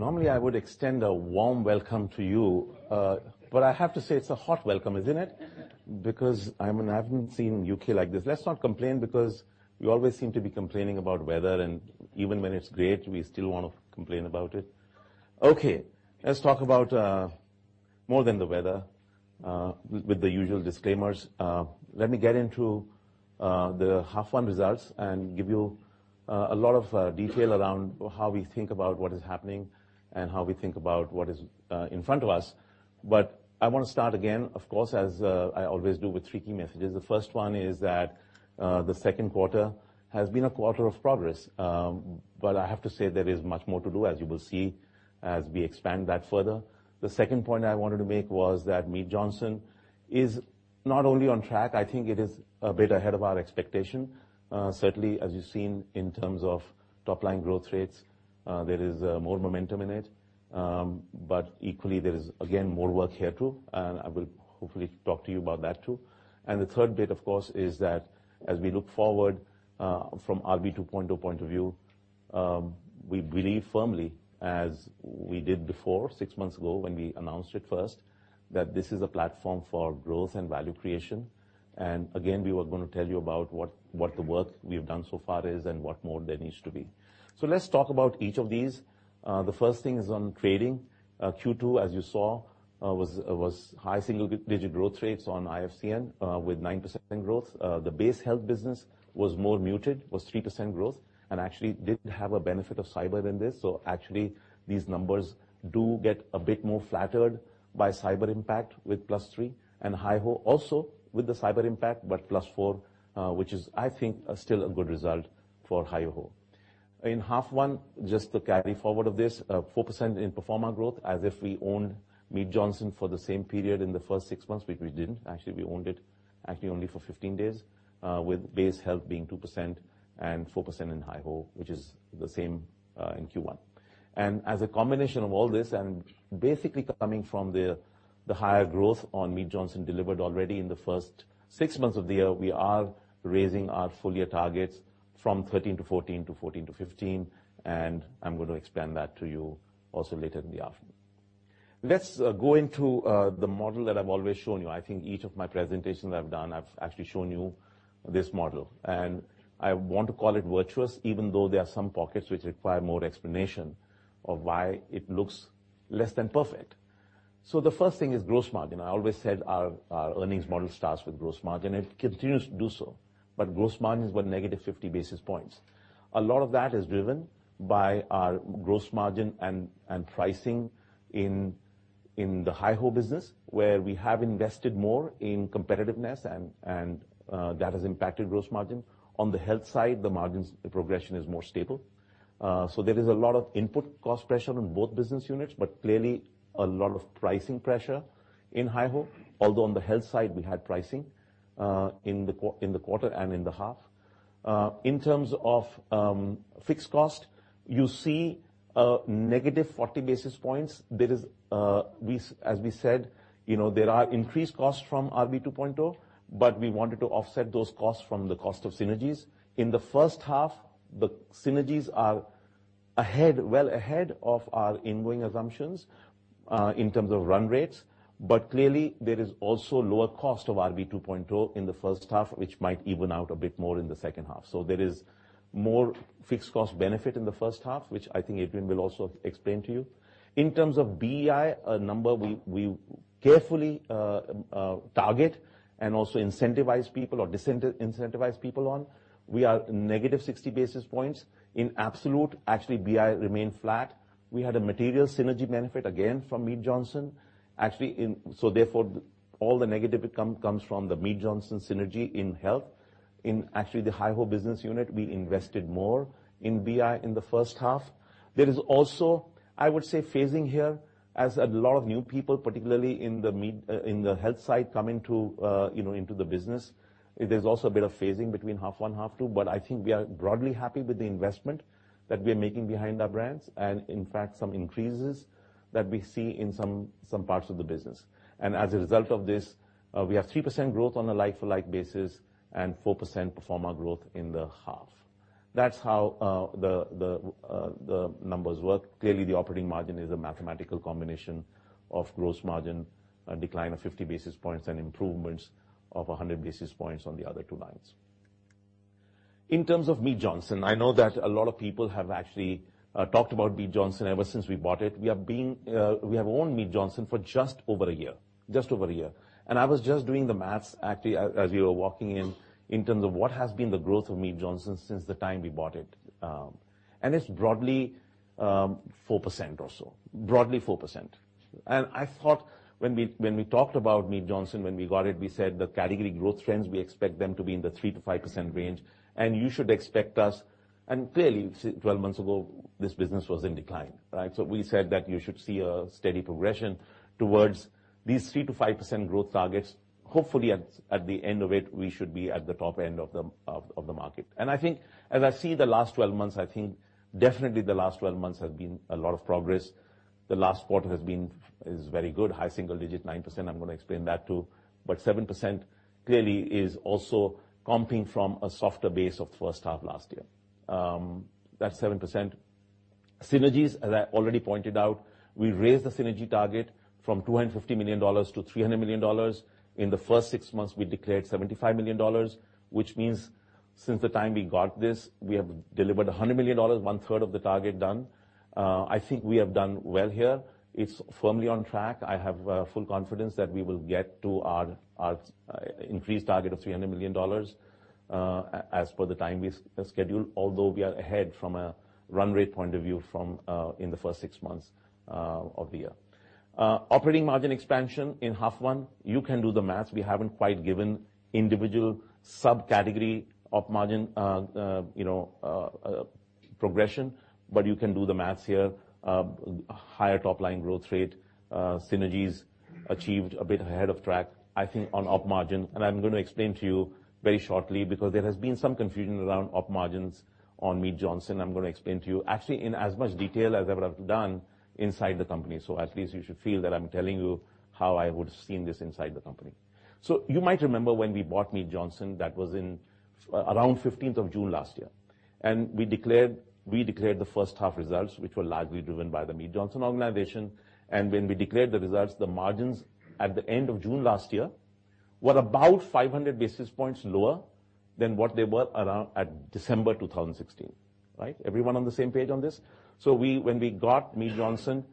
Normally, I would extend a warm welcome to you, I have to say it's a hot welcome, isn't it? Because I haven't seen U.K. like this. Let's not complain because we always seem to be complaining about weather, and even when it's great, we still want to complain about it. Let's talk about more than the weather with the usual disclaimers. Let me get into the half one results and give you a lot of detail around how we think about what is happening and how we think about what is in front of us. I want to start again, of course, as I always do, with three key messages. The first one is that the second quarter has been a quarter of progress. I have to say, there is much more to do, as you will see as we expand that further. The second point I wanted to make was that Mead Johnson is not only on track, I think it is a bit ahead of our expectation. Certainly, as you've seen in terms of top-line growth rates, there is more momentum in it. Equally, there is, again, more work here too, and I will hopefully talk to you about that too. The third bit, of course, is that as we look forward from RB 2.0 point of view, we believe firmly as we did before, six months ago, when we announced it first, that this is a platform for growth and value creation. Again, we were going to tell you about what the work we have done so far is and what more there needs to be. Let's talk about each of these. The first thing is on trading. Q2, as you saw, was high single-digit growth rates on IFCN with 9% growth. The base health business was more muted, was 3% growth, and actually did have a benefit of cyber in this. Actually, these numbers do get a bit more flattered by cyber impact with +3, and HyHo also with the cyber impact, +4, which is, I think, still a good result for HyHo. In half one, just the carry forward of this, 4% in pro forma growth as if we owned Mead Johnson for the same period in the first six months, which we didn't. Actually, we owned it actually only for 15 days, with base health being 2% and 4% in HyHo, which is the same in Q1. As a combination of all this and basically coming from the higher growth on Mead Johnson delivered already in the first six months of the year, we are raising our full-year targets from 13%-14% to 14%-15%, and I'm going to expand that to you also later in the afternoon. Let's go into the model that I've always shown you. I think each of my presentations I've done, I've actually shown you this model, and I want to call it virtuous, even though there are some pockets which require more explanation of why it looks less than perfect. The first thing is gross margin. I always said our earnings model starts with gross margin, and it continues to do so, but gross margin is what, -50 basis points. A lot of that is driven by our gross margin and pricing in the HyHo business, where we have invested more in competitiveness, that has impacted gross margin. On the health side, the margins progression is more stable. There is a lot of input cost pressure on both business units, but clearly, a lot of pricing pressure in HyHo, although on the health side, we had pricing in the quarter and in the half. In terms of fixed cost, you see negative 40 basis points. As we said, there are increased costs from RB 2.0, but we wanted to offset those costs from the cost of synergies. In the first half, the synergies are well ahead of our in-wing assumptions in terms of run rates. Clearly, there is also lower cost of RB 2.0 in the first half, which might even out a bit more in the second half. There is more fixed cost benefit in the first half, which I think Adrian will also explain to you. In terms of BEI, a number we carefully target and also incentivize people or disincentivize people on, we are negative 60 basis points. In absolute, actually, BEI remained flat. We had a material synergy benefit again from Mead Johnson. Therefore, all the negative comes from the Mead Johnson synergy in health. In actually the HyHo business unit, we invested more in BEI in the first half. There is also, I would say, phasing here as a lot of new people, particularly in the health side, coming into the business. There's also a bit of phasing between half one, half two, but I think we are broadly happy with the investment that we are making behind our brands and in fact, some increases that we see in some parts of the business. As a result of this, we have 3% growth on a like-for-like basis and 4% pro forma growth in the half. That's how the numbers work. Clearly, the operating margin is a mathematical combination of gross margin, a decline of 50 basis points and improvements of 100 basis points on the other two lines. In terms of Mead Johnson, I know that a lot of people have actually talked about Mead Johnson ever since we bought it. We have owned Mead Johnson for just over a year. I was just doing the maths actually as we were walking in terms of what has been the growth of Mead Johnson since the time we bought it, and it's broadly 4% or so. Broadly 4%. I thought when we talked about Mead Johnson, when we got it, we said the category growth trends, we expect them to be in the 3%-5% range, and you should expect us Clearly, 12 months ago, this business was in decline, right? We said that you should see a steady progression towards these 3%-5% growth targets. Hopefully at the end of it, we should be at the top end of the market. I think as I see the last 12 months, I think definitely the last 12 months has been a lot of progress. The last quarter is very good, high single digit, 9%. I'm going to explain that, too. 7% clearly is also comping from a softer base of first half last year. That 7%. Synergies, as I already pointed out, we raised the synergy target from GBP 250 million to GBP 300 million. In the first six months, we declared GBP 75 million, which means since the time we got this, we have delivered GBP 100 million, one third of the target done. I think we have done well here. It's firmly on track. I have full confidence that we will get to our increased target of GBP 300 million as per the time we scheduled, although we are ahead from a run rate point of view in the first six months of the year. Operating margin expansion in half one, you can do the math. We haven't quite given individual sub-category of margin progression, you can do the math here. Higher top-line growth rate, synergies achieved a bit ahead of track, I think on Op margin. I'm going to explain to you very shortly because there has been some confusion around Op margins on Mead Johnson. I'm going to explain to you actually in as much detail as I would have done inside the company. At least you should feel that I'm telling you how I would've seen this inside the company. You might remember when we bought Mead Johnson, that was in around 15th of June last year. We declared the first half results, which were largely driven by the Mead Johnson organization. When we declared the results, the margins at the end of June last year were about 500 basis points lower than what they were around at December 2016. Right? Everyone on the same page on this? When we got Mead Johnson,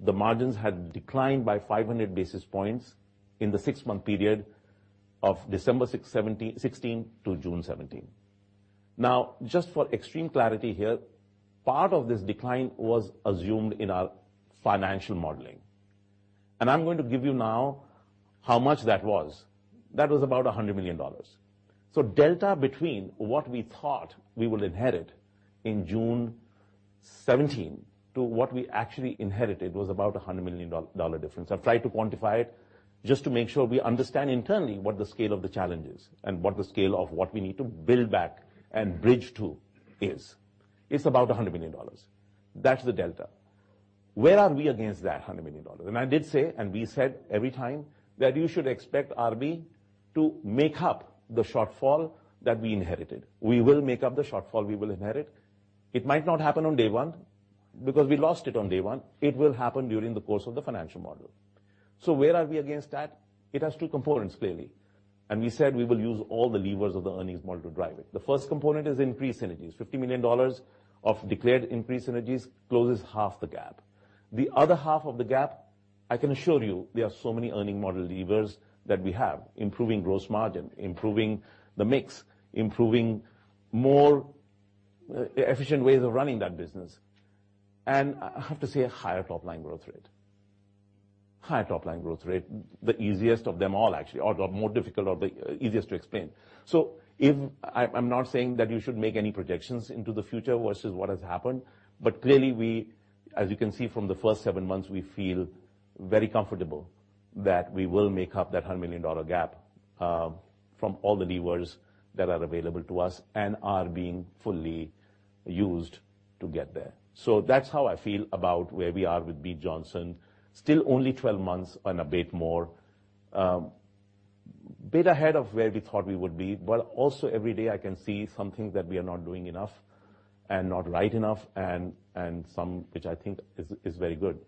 the margins had declined by 500 basis points in the six-month period of December 2016 to June 2017. Just for extreme clarity here, part of this decline was assumed in our financial modeling. I'm going to give you now how much that was. That was about GBP 100 million. Delta between what we thought we would inherit in June 2017 to what we actually inherited was about GBP 100 million difference. I've tried to quantify it just to make sure we understand internally what the scale of the challenge is and what the scale of what we need to build back and bridge to is. It's about GBP 100 million. That's the delta. Where are we against that GBP 100 million? I did say, and we said every time that you should expect RB to make up the shortfall that we inherited. We will make up the shortfall we will inherit. It might not happen on day one because we lost it on day one. It will happen during the course of the financial model. Where are we against that? It has two components, clearly. We said we will use all the levers of the earnings model to drive it. The first component is increased synergies. GBP 50 million of declared increased synergies closes half the gap. The other half of the gap, I can assure you, there are so many earning model levers that we have. Improving gross margin, improving the mix, improving more efficient ways of running that business. I have to say, a higher top-line growth rate. Higher top-line growth rate, the easiest of them all, actually, or the more difficult or the easiest to explain. I'm not saying that you should make any projections into the future versus what has happened, but clearly, as you can see from the first seven months, we feel very comfortable that we will make up that GBP 100 million gap from all the levers that are available to us and are being fully used to get there. That's how I feel about where we are with Mead Johnson. Still only 12 months and a bit more. Bit ahead of where we thought we would be, but also every day I can see something that we are not doing enough and not right enough and some which I think is very good.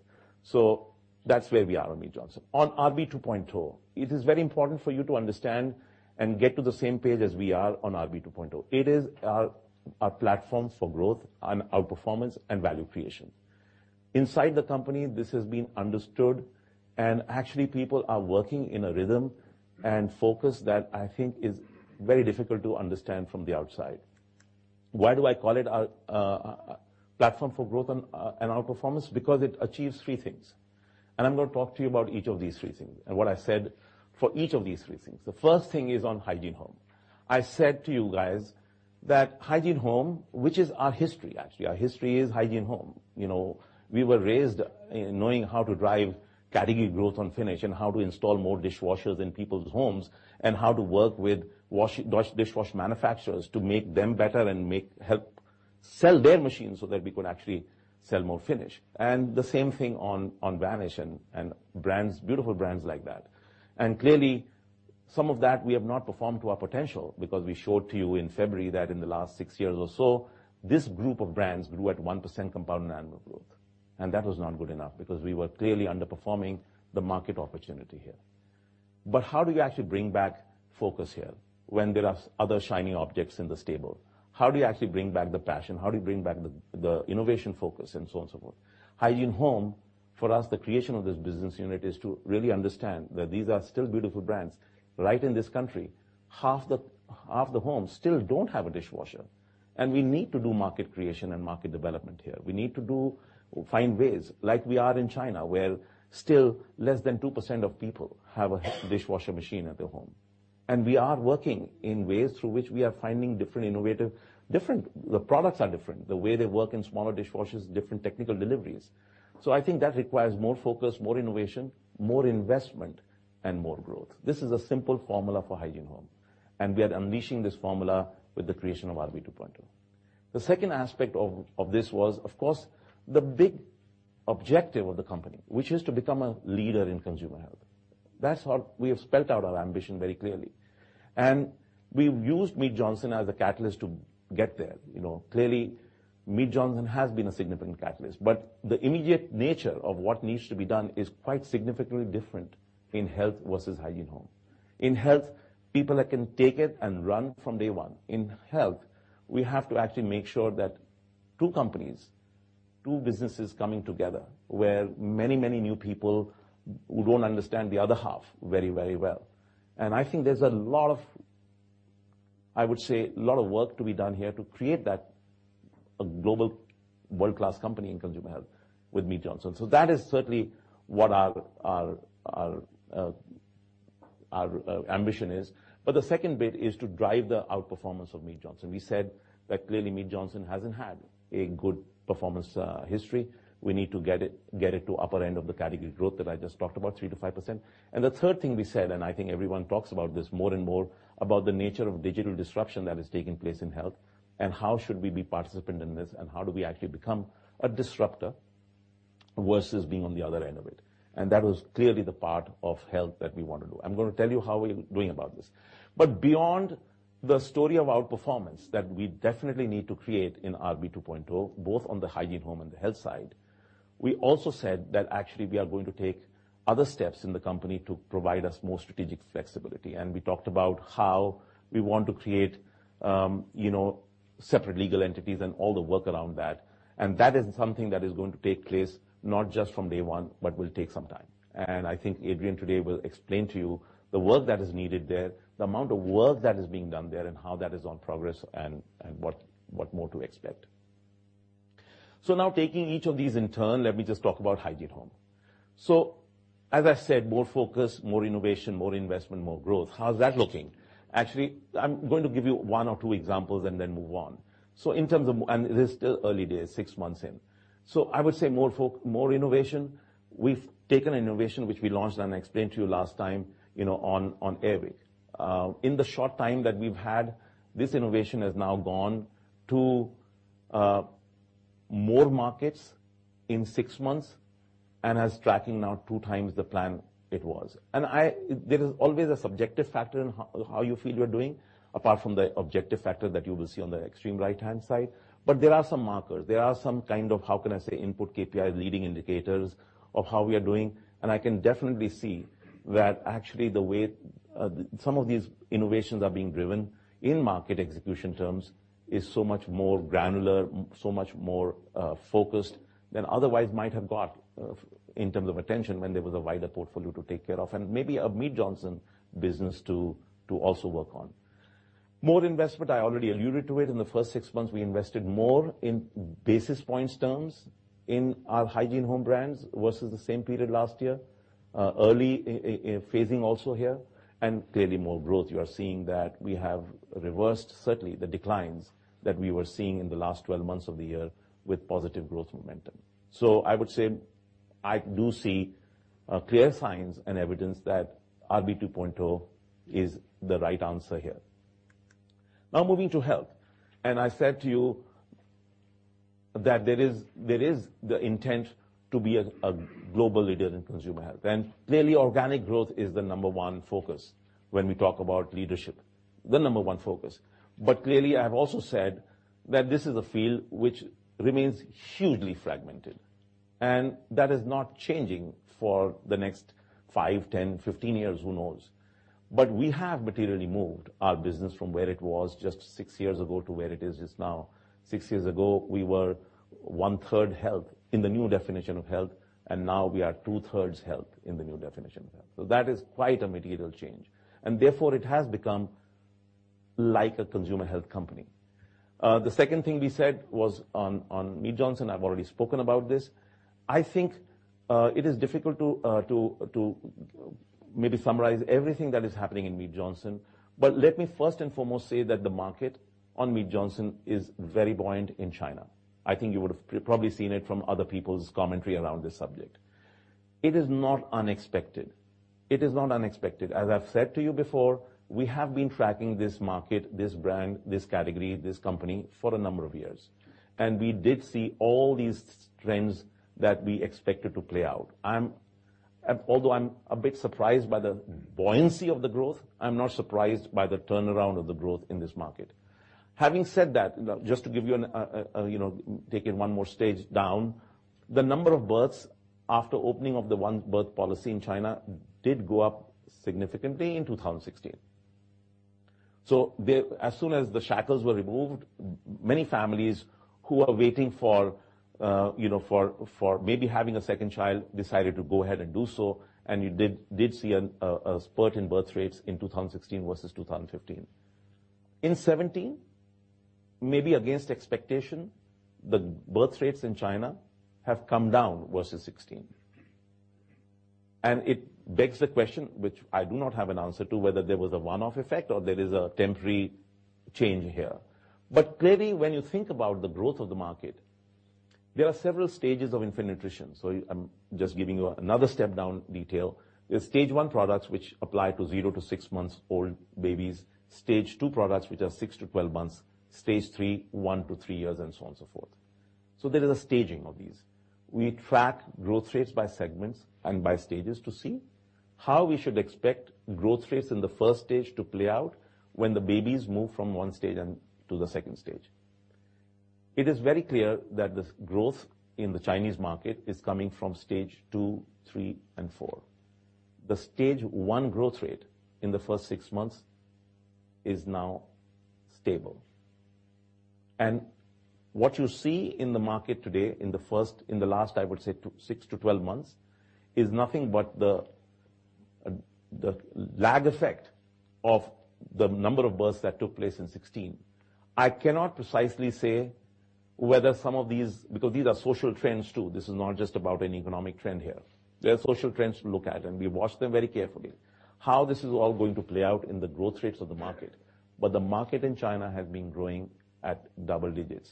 That's where we are on Mead Johnson. On RB 2.0, it is very important for you to understand and get to the same page as we are on RB 2.0. It is our platform for growth and outperformance and value creation. Inside the company, this has been understood, and actually, people are working in a rhythm and focus that I think is very difficult to understand from the outside. Why do I call it a platform for growth and outperformance? Because it achieves three things. I'm going to talk to you about each of these three things and what I said for each of these three things. The first thing is on Hygiene Home. I said to you guys that Hygiene Home, which is our history, actually. Our history is Hygiene Home. We were raised knowing how to drive category growth on Finish and how to install more dishwashers in people's homes and how to work with dishwasher manufacturers to make them better and help sell their machines so that we could actually sell more Finish. The same thing on Vanish and beautiful brands like that. Clearly, some of that we have not performed to our potential because we showed to you in February that in the last six years or so, this group of brands grew at 1% compound annual growth. That was not good enough because we were clearly underperforming the market opportunity here. How do you actually bring back focus here when there are other shiny objects in the stable? How do you actually bring back the passion? How do you bring back the innovation focus and so on and so forth? Hygiene Home, for us, the creation of this business unit is to really understand that these are still beautiful brands. Right in this country, half the homes still don't have a dishwasher, and we need to do market creation and market development here. We need to find ways, like we are in China, where still less than 2% of people have a dishwasher machine at their home. We are working in ways through which we are finding different innovative The products are different. The way they work in smaller dishwashers, different technical deliveries. I think that requires more focus, more innovation, more investment, and more growth. This is a simple formula for Hygiene Home, and we are unleashing this formula with the creation of RB 2.0. The second aspect of this was, of course, the big objective of the company, which is to become a leader in consumer health. That's all. We have spelt out our ambition very clearly, and we've used Mead Johnson as a catalyst to get there. Clearly, Mead Johnson has been a significant catalyst, but the immediate nature of what needs to be done is quite significantly different in health versus Hygiene Home. In health, people can take it and run from day one. In health, we have to actually make sure that two companies, two businesses coming together, where many new people who don't understand the other half very well. I think there's a lot of work to be done here to create that global world-class company in consumer health with Mead Johnson. That is certainly what our ambition is. The second bit is to drive the outperformance of Mead Johnson. We said that clearly Mead Johnson hasn't had a good performance history. We need to get it to upper end of the category growth that I just talked about, 3%-5%. The third thing we said, and I think everyone talks about this more and more, about the nature of digital disruption that is taking place in health and how should we be participant in this and how do we actually become a disruptor versus being on the other end of it. That was clearly the part of health that we want to do. I'm going to tell you how we're doing about this. Beyond the story of outperformance that we definitely need to create in RB2.0, both on the Hygiene Home and the health side, we also said that actually we are going to take other steps in the company to provide us more strategic flexibility. We talked about how we want to create separate legal entities and all the work around that. That is something that is going to take place not just from day one, but will take some time. I think Adrian today will explain to you the work that is needed there, the amount of work that is being done there, and how that is on progress and what more to expect. Now taking each of these in turn, let me just talk about Hygiene Home. As I said, more focus, more innovation, more investment, more growth. How's that looking? Actually, I'm going to give you one or two examples and then move on. It is still early days, six months in. I would say more innovation. We've taken innovation, which we launched and I explained to you last time, on Air Wick. In the short time that we've had, this innovation has now gone to more markets in six months and is tracking now two times the plan it was. There is always a subjective factor in how you feel you're doing, apart from the objective factor that you will see on the extreme right-hand side. There are some markers. There are some kind of, how can I say, input KPI leading indicators of how we are doing. I can definitely see that actually some of these innovations are being driven in market execution terms is so much more granular, so much more focused than otherwise might have got in terms of attention when there was a wider portfolio to take care of, and maybe a Mead Johnson business to also work on. More investment, I already alluded to it. In the first 6 months, we invested more in basis points terms in our Hygiene Home brands versus the same period last year. Early phasing also here. Clearly, more growth. You are seeing that we have reversed certainly the declines that we were seeing in the last 12 months of the year with positive growth momentum. I would say I do see clear signs and evidence that RB2.0 is the right answer here. Now moving to health, I said to you that there is the intent to be a global leader in consumer health. Clearly, organic growth is the number 1 focus when we talk about leadership. The number 1 focus. Clearly, I've also said that this is a field which remains hugely fragmented, and that is not changing for the next 5, 10, 15 years, who knows? We have materially moved our business from where it was just 6 years ago to where it is now. 6 years ago, we were one-third health in the new definition of health, and now we are two-thirds health in the new definition of health. That is quite a material change. Therefore, it has become like a consumer health company. The second thing we said was on Mead Johnson, I've already spoken about this. I think it is difficult to maybe summarize everything that is happening in Mead Johnson. Let me first and foremost say that the market on Mead Johnson is very buoyant in China. I think you would have probably seen it from other people's commentary around this subject. It is not unexpected. As I've said to you before, we have been tracking this market, this brand, this category, this company for a number of years, and we did see all these trends that we expected to play out. Although I'm a bit surprised by the buoyancy of the growth, I'm not surprised by the turnaround of the growth in this market. Having said that, just to give you, take it 1 more stage down, the number of births after opening of the one-child policy in China did go up significantly in 2016. As soon as the shackles were removed, many families who are waiting for maybe having a second child decided to go ahead and do so, and you did see a spurt in birth rates in 2016 versus 2015. In 2017, maybe against expectation, the birth rates in China have come down versus 2016. It begs the question, which I do not have an answer to, whether there was a one-off effect or there is a temporary change here. Clearly, when you think about the growth of the market, there are several stages of infant nutrition. I'm just giving you another step down detail. There's stage 1 products which apply to zero to 6 months old babies, stage 2 products which are six to 12 months, stage 3, one to three years, and so on and so forth. There is a staging of these. We track growth rates by segments and by stages to see how we should expect growth rates in the first stage to play out when the babies move from 1 stage to the second stage. It is very clear that this growth in the Chinese market is coming from stage 2, 3, and 4. The stage 1 growth rate in the first 6 months is now stable. What you see in the market today in the last, I would say, 6-12 months, is nothing but the lag effect of the number of births that took place in 2016. I cannot precisely say whether some of these. Because these are social trends too. This is not just about an economic trend here. There are social trends to look at, and we watch them very carefully, how this is all going to play out in the growth rates of the market. The market in China has been growing at double digits,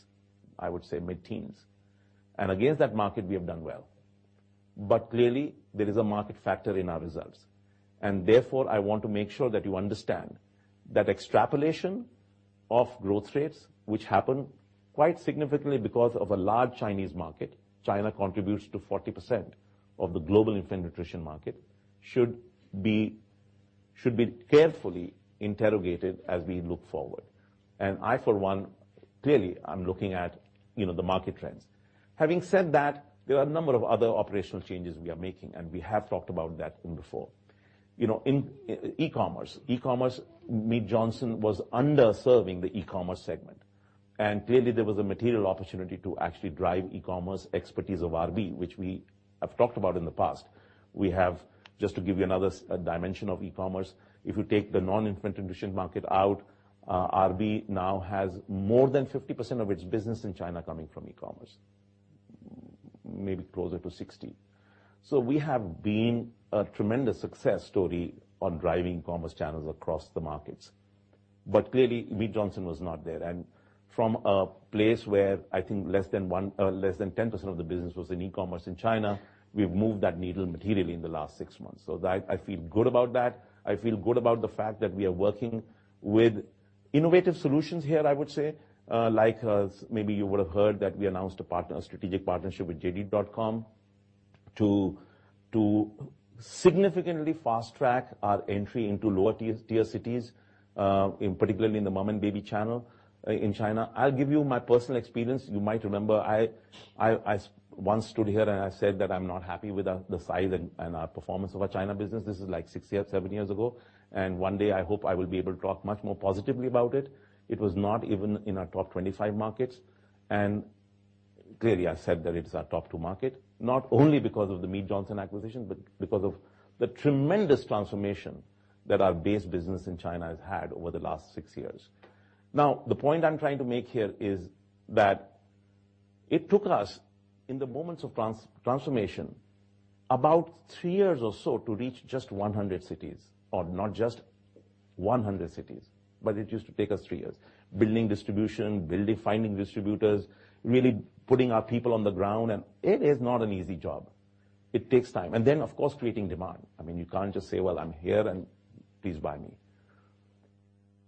I would say mid-teens. Against that market, we have done well. Clearly, there is a market factor in our results. Therefore, I want to make sure that you understand that extrapolation of growth rates, which happen quite significantly because of a large Chinese market, China contributes to 40% of the global infant nutrition market, should be carefully interrogated as we look forward. I, for one, clearly, I'm looking at the market trends. Having said that, there are a number of other operational changes we are making, and we have talked about that before. In e-commerce, Mead Johnson was underserving the e-commerce segment, and clearly there was a material opportunity to actually drive e-commerce expertise of RB, which we have talked about in the past. We have, just to give you another dimension of e-commerce, if you take the non-infant nutrition market out, RB now has more than 50% of its business in China coming from e-commerce. Maybe closer to 60. We have been a tremendous success story on driving commerce channels across the markets. Clearly, Mead Johnson was not there. From a place where I think less than 10% of the business was in e-commerce in China, we've moved that needle materially in the last 6 months. I feel good about that. I feel good about the fact that we are working with innovative solutions here, I would say. Like, maybe you would have heard that we announced a strategic partnership with JD.com to significantly fast-track our entry into lower-tier cities, particularly in the mom and baby channel in China. I'll give you my personal experience. You might remember, I once stood here, and I said that I'm not happy with the size and our performance of our China business. This is like six years, seven years ago. One day, I hope I will be able to talk much more positively about it. It was not even in our top 25 markets. Clearly, I said that it's our top 2 market, not only because of the Mead Johnson acquisition, but because of the tremendous transformation that our base business in China has had over the last six years. The point I'm trying to make here is that it took us in the moments of transformation, about three years or so to reach just 100 cities, or not just 100 cities, but it used to take us three years. Building distribution, finding distributors, really putting our people on the ground, and it is not an easy job. It takes time. Then, of course, creating demand. You can't just say, "Well, I'm here, and please buy me."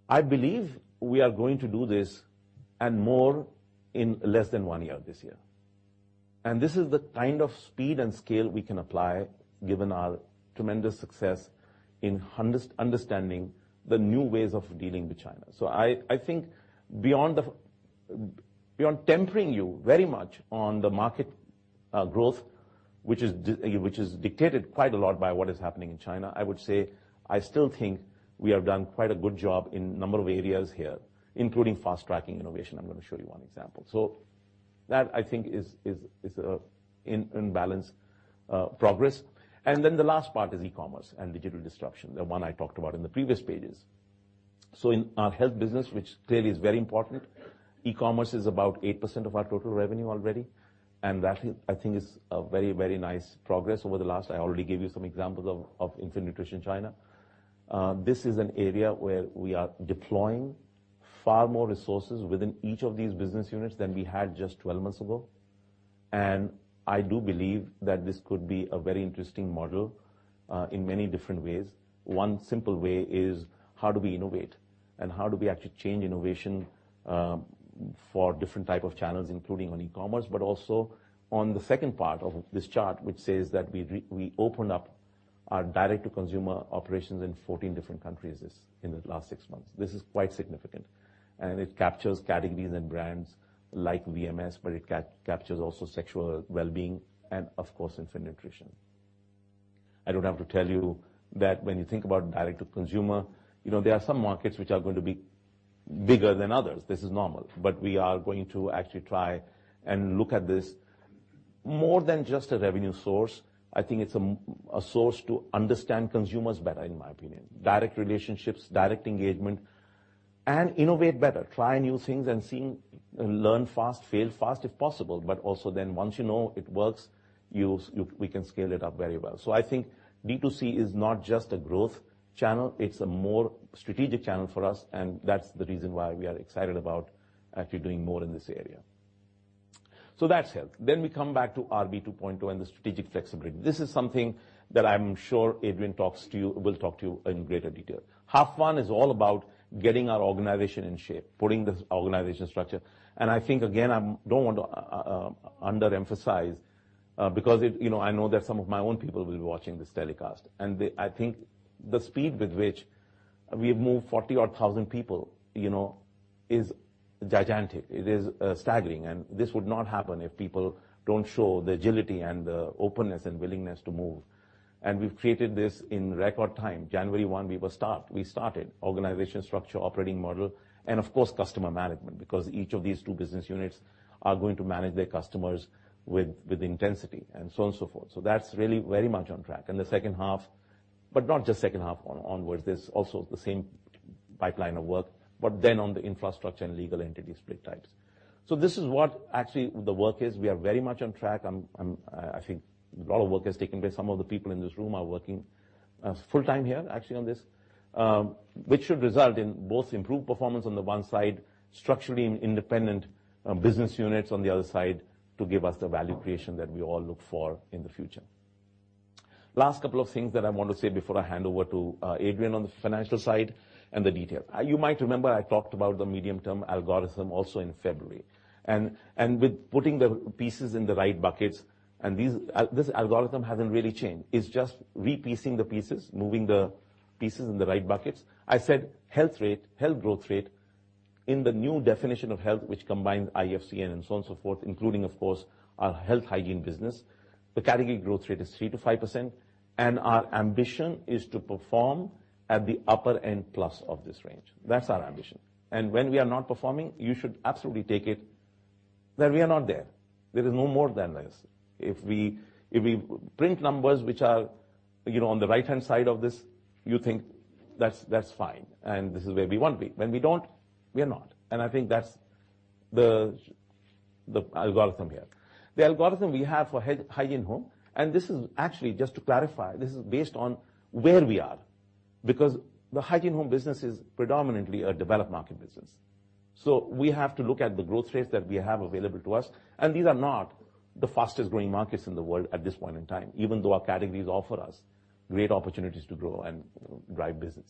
I believe we are going to do this and more in less than one year this year. This is the kind of speed and scale we can apply given our tremendous success in understanding the new ways of dealing with China. I think beyond tempering you very much on the market growth, which is dictated quite a lot by what is happening in China, I would say, I still think we have done quite a good job in a number of areas here, including fast-tracking innovation. I'm going to show you one example. That I think is a, in balance, progress. The last part is e-commerce and digital disruption, the one I talked about in the previous pages. In our health business, which clearly is very important, e-commerce is about 8% of our total revenue already, and that I think is a very nice progress over the last I already gave you some examples of infant nutrition China. This is an area where we are deploying far more resources within each of these business units than we had just 12 months ago. I do believe that this could be a very interesting model in many different ways. One simple way is how do we innovate, and how do we actually change innovation for different type of channels, including on e-commerce. Also on the second part of this chart, which says that we opened up our direct-to-consumer operations in 14 different countries in the last six months. This is quite significant, and it captures categories and brands like VMS, but it captures also sexual wellbeing and, of course, infant nutrition. I don't have to tell you that when you think about direct to consumer, there are some markets which are going to be bigger than others. This is normal. We are going to actually try and look at this more than just a revenue source. I think it's a source to understand consumers better, in my opinion. Direct relationships, direct engagement, and innovate better. Try new things and learn fast, fail fast if possible, but also then once you know it works, we can scale it up very well. I think D2C is not just a growth channel, it's a more strategic channel for us, and that's the reason why we are excited about actually doing more in this area. That's health. We come back to RB 2.0 and the strategic flexibility. This is something that I'm sure Adrian will talk to you in greater detail. Half one is all about getting our organization in shape, putting this organization structure. I think, again, I don't want to under-emphasize Because I know that some of my own people will be watching this telecast, and I think the speed with which we have moved 40,000 people is gigantic. It is staggering, and this would not happen if people don't show the agility and the openness and willingness to move. We've created this in record time. January 1st, we started. Organization structure, operating model, and of course, customer management, because each of these two business units are going to manage their customers with intensity, and so on and so forth. That's really very much on track. In the second half, not just second half onwards, there's also the same pipeline of work, on the infrastructure and legal entity split types. This is what actually the work is. We are very much on track. I think a lot of work has taken place. Some of the people in this room are working full-time here, actually, on this, which should result in both improved performance on the one side, structurally independent business units on the other side, to give us the value creation that we all look for in the future. Last couple of things that I want to say before I hand over to Adrian on the financial side and the details. You might remember I talked about the medium-term algorithm also in February. With putting the pieces in the right buckets, this algorithm hasn't really changed. It's just re-piecing the pieces, moving the pieces in the right buckets. I said health rate, health growth rate in the new definition of health, which combines IFCN and so on and so forth, including, of course, our Hygiene Home business, the category growth rate is 3%-5%, and our ambition is to perform at the upper end plus of this range. That's our ambition. When we are not performing, you should absolutely take it that we are not there. There is no more than less. If we print numbers which are on the right-hand side of this, you think that's fine, this is where we want to be. When we don't, we are not. I think that's the algorithm here. The algorithm we have for Hygiene Home, this is actually just to clarify, this is based on where we are, because the Hygiene Home business is predominantly a developed market business. We have to look at the growth rates that we have available to us, these are not the fastest-growing markets in the world at this point in time, even though our categories offer us great opportunities to grow and drive business.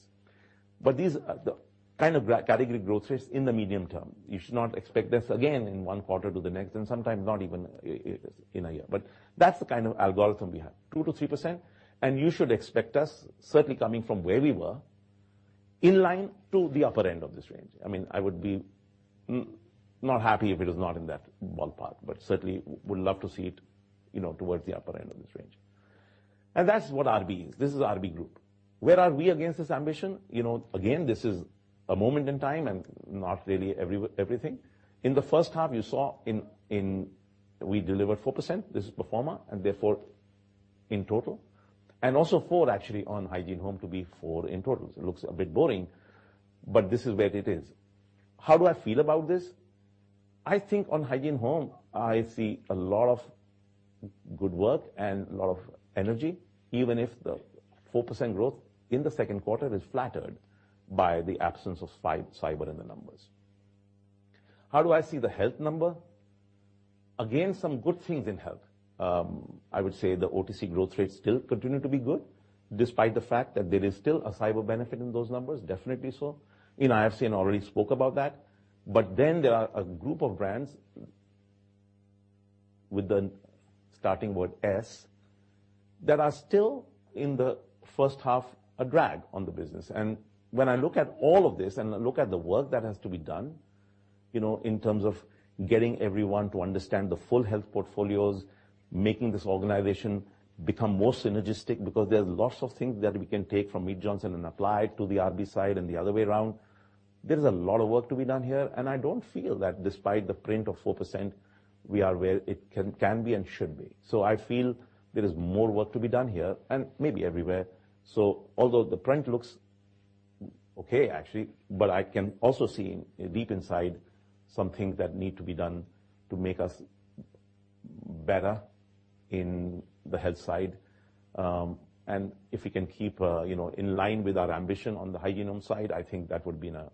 These are the kind of category growth rates in the medium term. You should not expect this again in one quarter to the next, sometimes not even in a year. That's the kind of algorithm we have, 2%-3%, you should expect us, certainly coming from where we were, in line to the upper end of this range. I would be not happy if it is not in that ballpark, certainly would love to see it towards the upper end of this range. That's what RB is. This is RB Group. Where are we against this ambition? Again, this is a moment in time and not really everything. In the first half, you saw we delivered 4%, this is pro forma, therefore in total. Also 4% actually on Hygiene Home to be 4% in total. It looks a bit boring, this is where it is. How do I feel about this? I think on Hygiene Home, I see a lot of good work and a lot of energy, even if the 4% growth in the second quarter is flattered by the absence of cyber in the numbers. How do I see the health number? Again, some good things in health. I would say the OTC growth rates still continue to be good, despite the fact that there is still a cyber benefit in those numbers, definitely so. In IFCN, already spoke about that. There are a group of brands with the starting word S that are still in the first half a drag on the business. When I look at all of this and look at the work that has to be done, in terms of getting everyone to understand the full health portfolios, making this organization become more synergistic because there's lots of things that we can take from Mead Johnson and apply to the RB side and the other way around. There's a lot of work to be done here, I don't feel that despite the print of 4%, we are where it can be and should be. I feel there is more work to be done here and maybe everywhere. Although the print looks okay, actually, I can also see deep inside some things that need to be done to make us better in the health side. If we can keep in line with our ambition on the Hygiene Home side, I think that would be a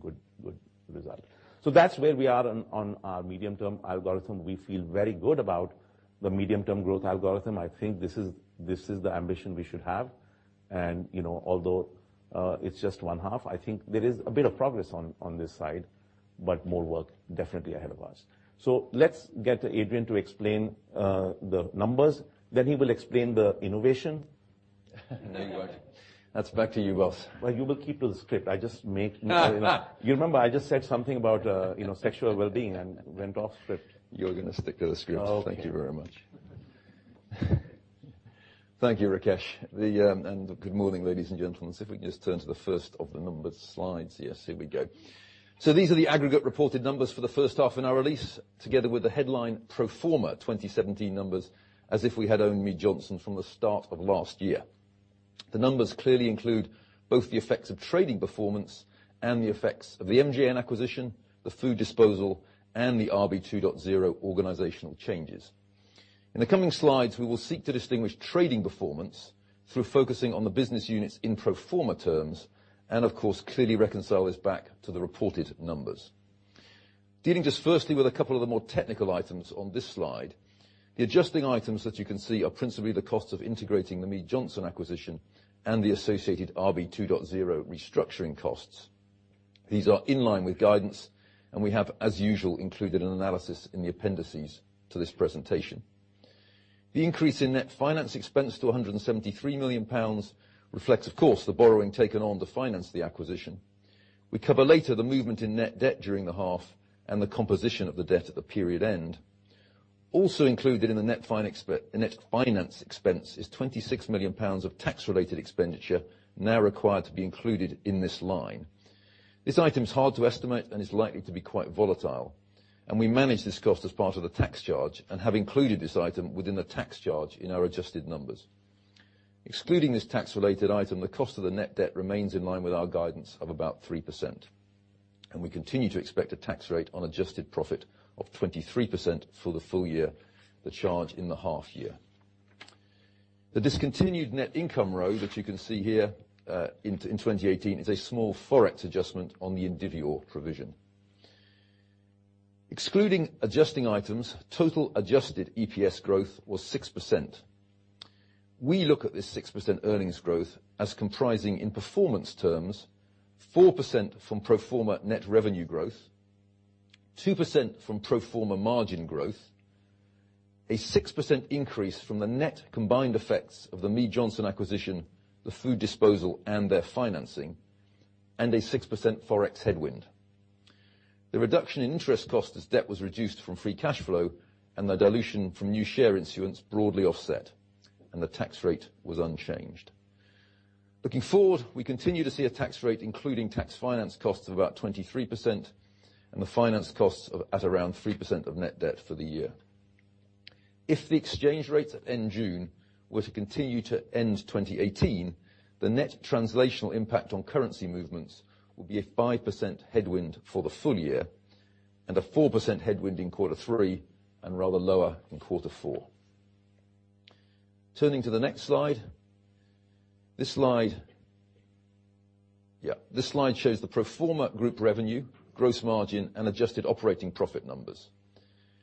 good result. That's where we are on our medium-term algorithm. We feel very good about the medium-term growth algorithm. I think this is the ambition we should have. Although it's just one half, I think there is a bit of progress on this side, but more work definitely ahead of us. Let's get Adrian to explain the numbers, he will explain the innovation. No, he won't. That's back to you, boss. Well, you will keep to the script. You remember I just said something about sexual well-being and went off script. You're going to stick to the script. Okay. Thank you very much. Thank you, Rakesh. Good morning, ladies and gentlemen. If we can just turn to the first of the numbered slides. Yes, here we go. These are the aggregate reported numbers for the first half in our release, together with the headline pro forma 2017 numbers, as if we had owned Mead Johnson from the start of last year. The numbers clearly include both the effects of trading performance and the effects of the MJN acquisition, the food disposal, and the RB2.0 organizational changes. In the coming slides, we will seek to distinguish trading performance through focusing on the business units in pro forma terms, and of course, clearly reconcile this back to the reported numbers. Dealing just firstly with a couple of the more technical items on this slide, the adjusting items that you can see are principally the cost of integrating the Mead Johnson acquisition and the associated RB2.0 restructuring costs. These are in line with guidance, and we have, as usual, included an analysis in the appendices to this presentation. The increase in net finance expense to GBP 173 million reflects, of course, the borrowing taken on to finance the acquisition. We cover later the movement in net debt during the half and the composition of the debt at the period end. Also included in the net finance expense is 26 million pounds of tax-related expenditure now required to be included in this line. This item is hard to estimate and is likely to be quite volatile. We manage this cost as part of the tax charge and have included this item within the tax charge in our adjusted numbers. Excluding this tax-related item, the cost of the net debt remains in line with our guidance of about 3%. We continue to expect a tax rate on adjusted profit of 23% for the full year, the charge in the half year. The discontinued net income row that you can see here, in 2018 is a small Forex adjustment on the Indivior provision. Excluding adjusting items, total adjusted EPS growth was 6%. We look at this 6% earnings growth as comprising, in performance terms, 4% from pro forma net revenue growth, 2% from pro forma margin growth, a 6% increase from the net combined effects of the Mead Johnson acquisition, the food disposal, and their financing, and a 6% Forex headwind. The reduction in interest cost as debt was reduced from free cash flow and the dilution from new share issuance broadly offset. The tax rate was unchanged. Looking forward, we continue to see a tax rate including tax finance costs of about 23% and finance costs of around 3% of net debt for the year. If the exchange rates in June were to continue to end 2018, the net translational impact on currency movements will be a 5% headwind for the full year and a 4% headwind in quarter three and rather lower in quarter four. Turning to the next slide. This slide, yeah, this slide shows the pro forma group revenue, gross margin, and adjusted operating profit numbers.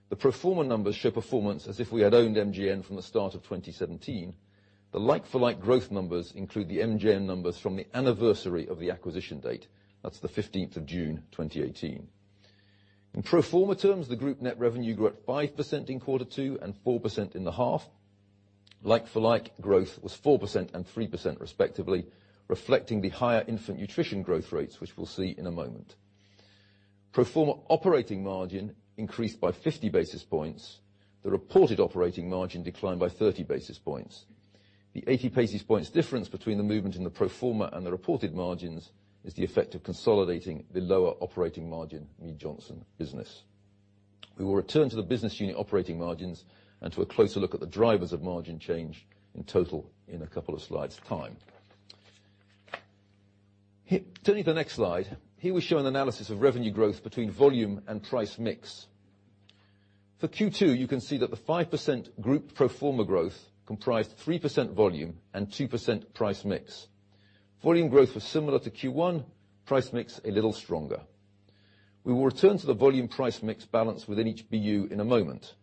The pro forma numbers show performance as if we had owned MJN from the start of 2017. The like-for-like growth numbers include the MJN numbers from the anniversary of the acquisition date. That's the 15th of June 2018. In pro forma terms, the group net revenue grew at 5% in quarter two and 4% in the half. Like-for-like growth was 4% and 3% respectively, reflecting the higher infant nutrition growth rates, which we'll see in a moment. Pro forma operating margin increased by 50 basis points. The reported operating margin declined by 30 basis points. The 80 basis points difference between the movement in the pro forma and the reported margins is the effect of consolidating the lower operating margin Mead Johnson business. We will return to the business unit operating margins and to a closer look at the drivers of margin change in total in a couple of slides' time. Turning to the next slide. Here we show an analysis of revenue growth between volume and price mix. For Q2, you can see that the 5% group pro forma growth comprised 3% volume and 2% price mix. Volume growth was similar to Q1, price mix a little stronger. We will return to the volume price mix balance within each BU in a moment.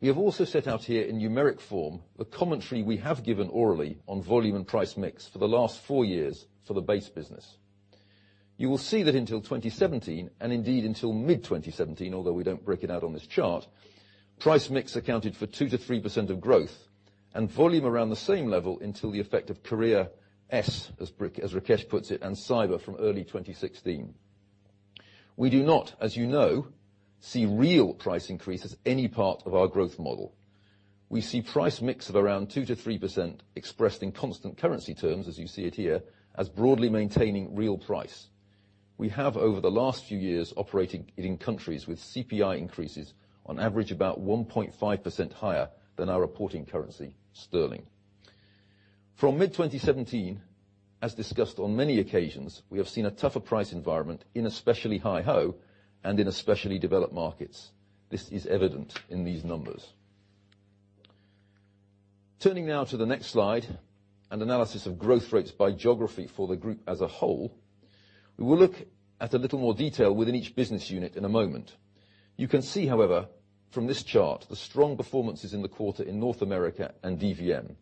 We have also set out here in numeric form the commentary we have given orally on volume and price mix for the last four years for the base business. You will see that until 2017, and indeed until mid-2017, although we don't break it out on this chart, price mix accounted for 2%-3% of growth and volume around the same level until the effect of Korea, as Rakesh puts it, and cyber from early 2016. We do not, as you know, see real price increases any part of our growth model. We see price mix of around 2%-3% expressed in constant currency terms, as you see it here, as broadly maintaining real price. We have, over the last few years, operating in countries with CPI increases on average about 1.5% higher than our reporting currency, sterling. From mid-2017, as discussed on many occasions, we have seen a tougher price environment in especially HyHo and in especially developed markets. This is evident in these numbers. Turning now to the next slide, an analysis of growth rates by geography for the group as a whole. We will look at a little more detail within each business unit in a moment. You can see, however, from this chart, the strong performances in the quarter in North America and DvM.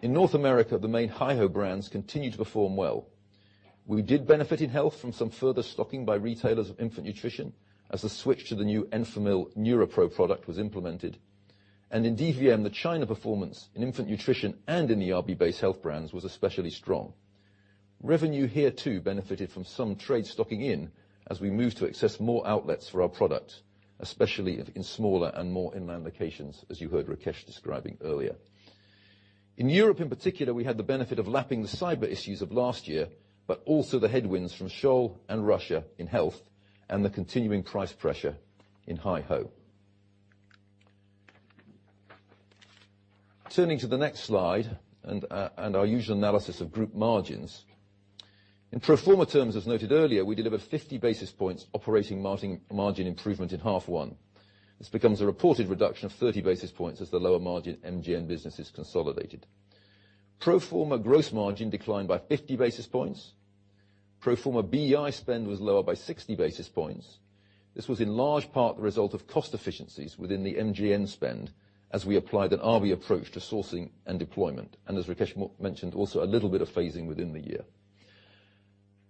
In North America, the main HyHo brands continue to perform well. We did benefit in health from some further stocking by retailers of infant nutrition as a switch to the new Enfamil NeuroPro product was implemented. In DvM, the China performance in infant nutrition and in the RB-based health brands was especially strong. Revenue here too benefited from some trade stocking in as we moved to access more outlets for our product, especially in smaller and more inland locations, as you heard Rakesh describing earlier. In Europe in particular, we had the benefit of lapping the cyber issues of last year, but also the headwinds from Scholl and Russia in health and the continuing price pressure in HyHo. Turning to the next slide and our usual analysis of group margins. In pro forma terms, as noted earlier, we delivered 50 basis points operating margin improvement in half one. This becomes a reported reduction of 30 basis points as the lower margin MJN business is consolidated. Pro forma gross margin declined by 50 basis points. Pro forma BEI spend was lower by 60 basis points. This was in large part the result of cost efficiencies within the MJN spend as we applied an RB approach to sourcing and deployment. As Rakesh mentioned, also a little bit of phasing within the year.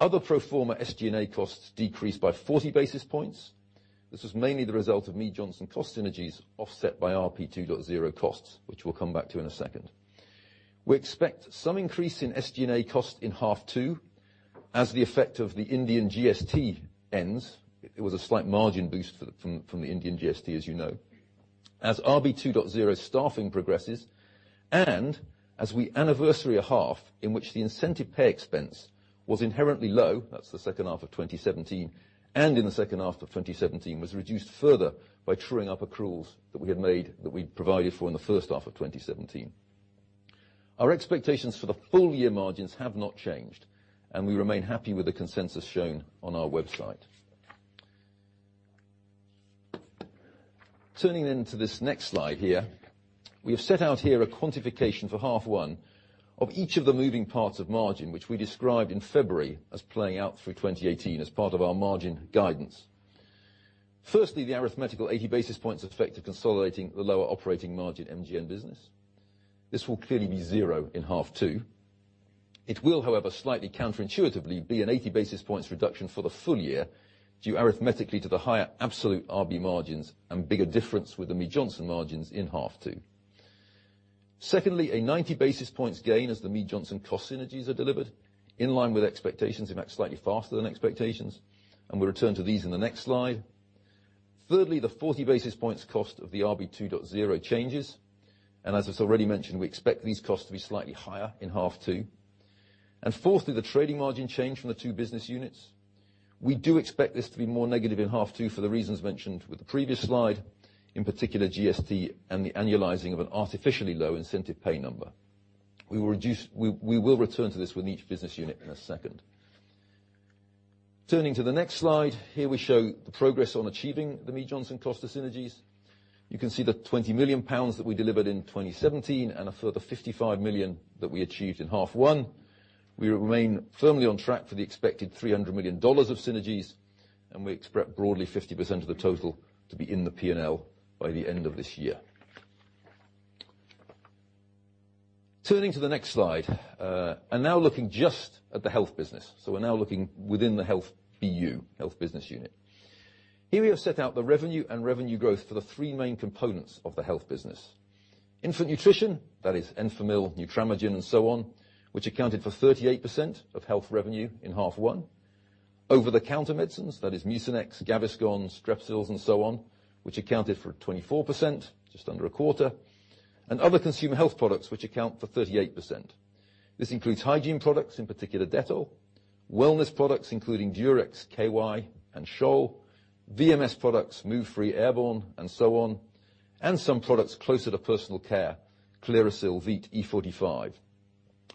Other pro forma SG&A costs decreased by 40 basis points. This was mainly the result of Mead Johnson cost synergies offset by RB2.0 costs, which we'll come back to in a second. We expect some increase in SG&A costs in half two as the effect of the Indian GST ends. It was a slight margin boost from the Indian GST, as you know. As RB2.0 staffing progresses and as we anniversary a half in which the incentive pay expense was inherently low, that's the second half of 2017, and in the second half of 2017 was reduced further by truing up accruals that we had made, that we'd provided for in the first half of 2017. Our expectations for the full year margins have not changed, and we remain happy with the consensus shown on our website. Turning to this next slide here, we have set out here a quantification for half one of each of the moving parts of margin, which we described in February as playing out through 2018 as part of our margin guidance. Firstly, the arithmetical 80 basis points effect of consolidating the lower operating margin MJN business. This will clearly be zero in half two. It will, however, slightly counterintuitively, be an 80 basis points reduction for the full year due arithmetically to the higher absolute RB margins and bigger difference with the Mead Johnson margins in half two. Secondly, a 90 basis points gain as the Mead Johnson cost synergies are delivered in line with expectations. In fact, slightly faster than expectations. We'll return to these in the next slide. Thirdly, the 40 basis points cost of the RB2.0 changes. As is already mentioned, we expect these costs to be slightly higher in half two. Fourthly, the trading margin change from the two business units. We do expect this to be more negative in half two for the reasons mentioned with the previous slide, in particular, GST and the annualizing of an artificially low incentive pay number. We will return to this with each business unit in a second. Turning to the next slide, here we show the progress on achieving the Mead Johnson cluster synergies. You can see the 20 million pounds that we delivered in 2017 and a further 55 million that we achieved in half one. We remain firmly on track for the expected GBP 300 million of synergies, and we expect broadly 50% of the total to be in the P&L by the end of this year. Turning to the next slide. Now looking just at the health business. We're now looking within the health BU, health business unit. Here we have set out the revenue and revenue growth for the three main components of the health business. Infant nutrition, that is Enfamil, Nutramigen, and so on, which accounted for 38% of health revenue in half one. Over-the-counter medicines, that is Mucinex, Gaviscon, Strepsils, and so on, which accounted for 24%, just under a quarter. Other consumer health products, which account for 38%. This includes hygiene products, in particular Dettol. Wellness products including Durex, K-Y, and Scholl. VMS products, Move Free, Airborne, and so on. Some products closer to personal care, Clearasil, Veet, E45.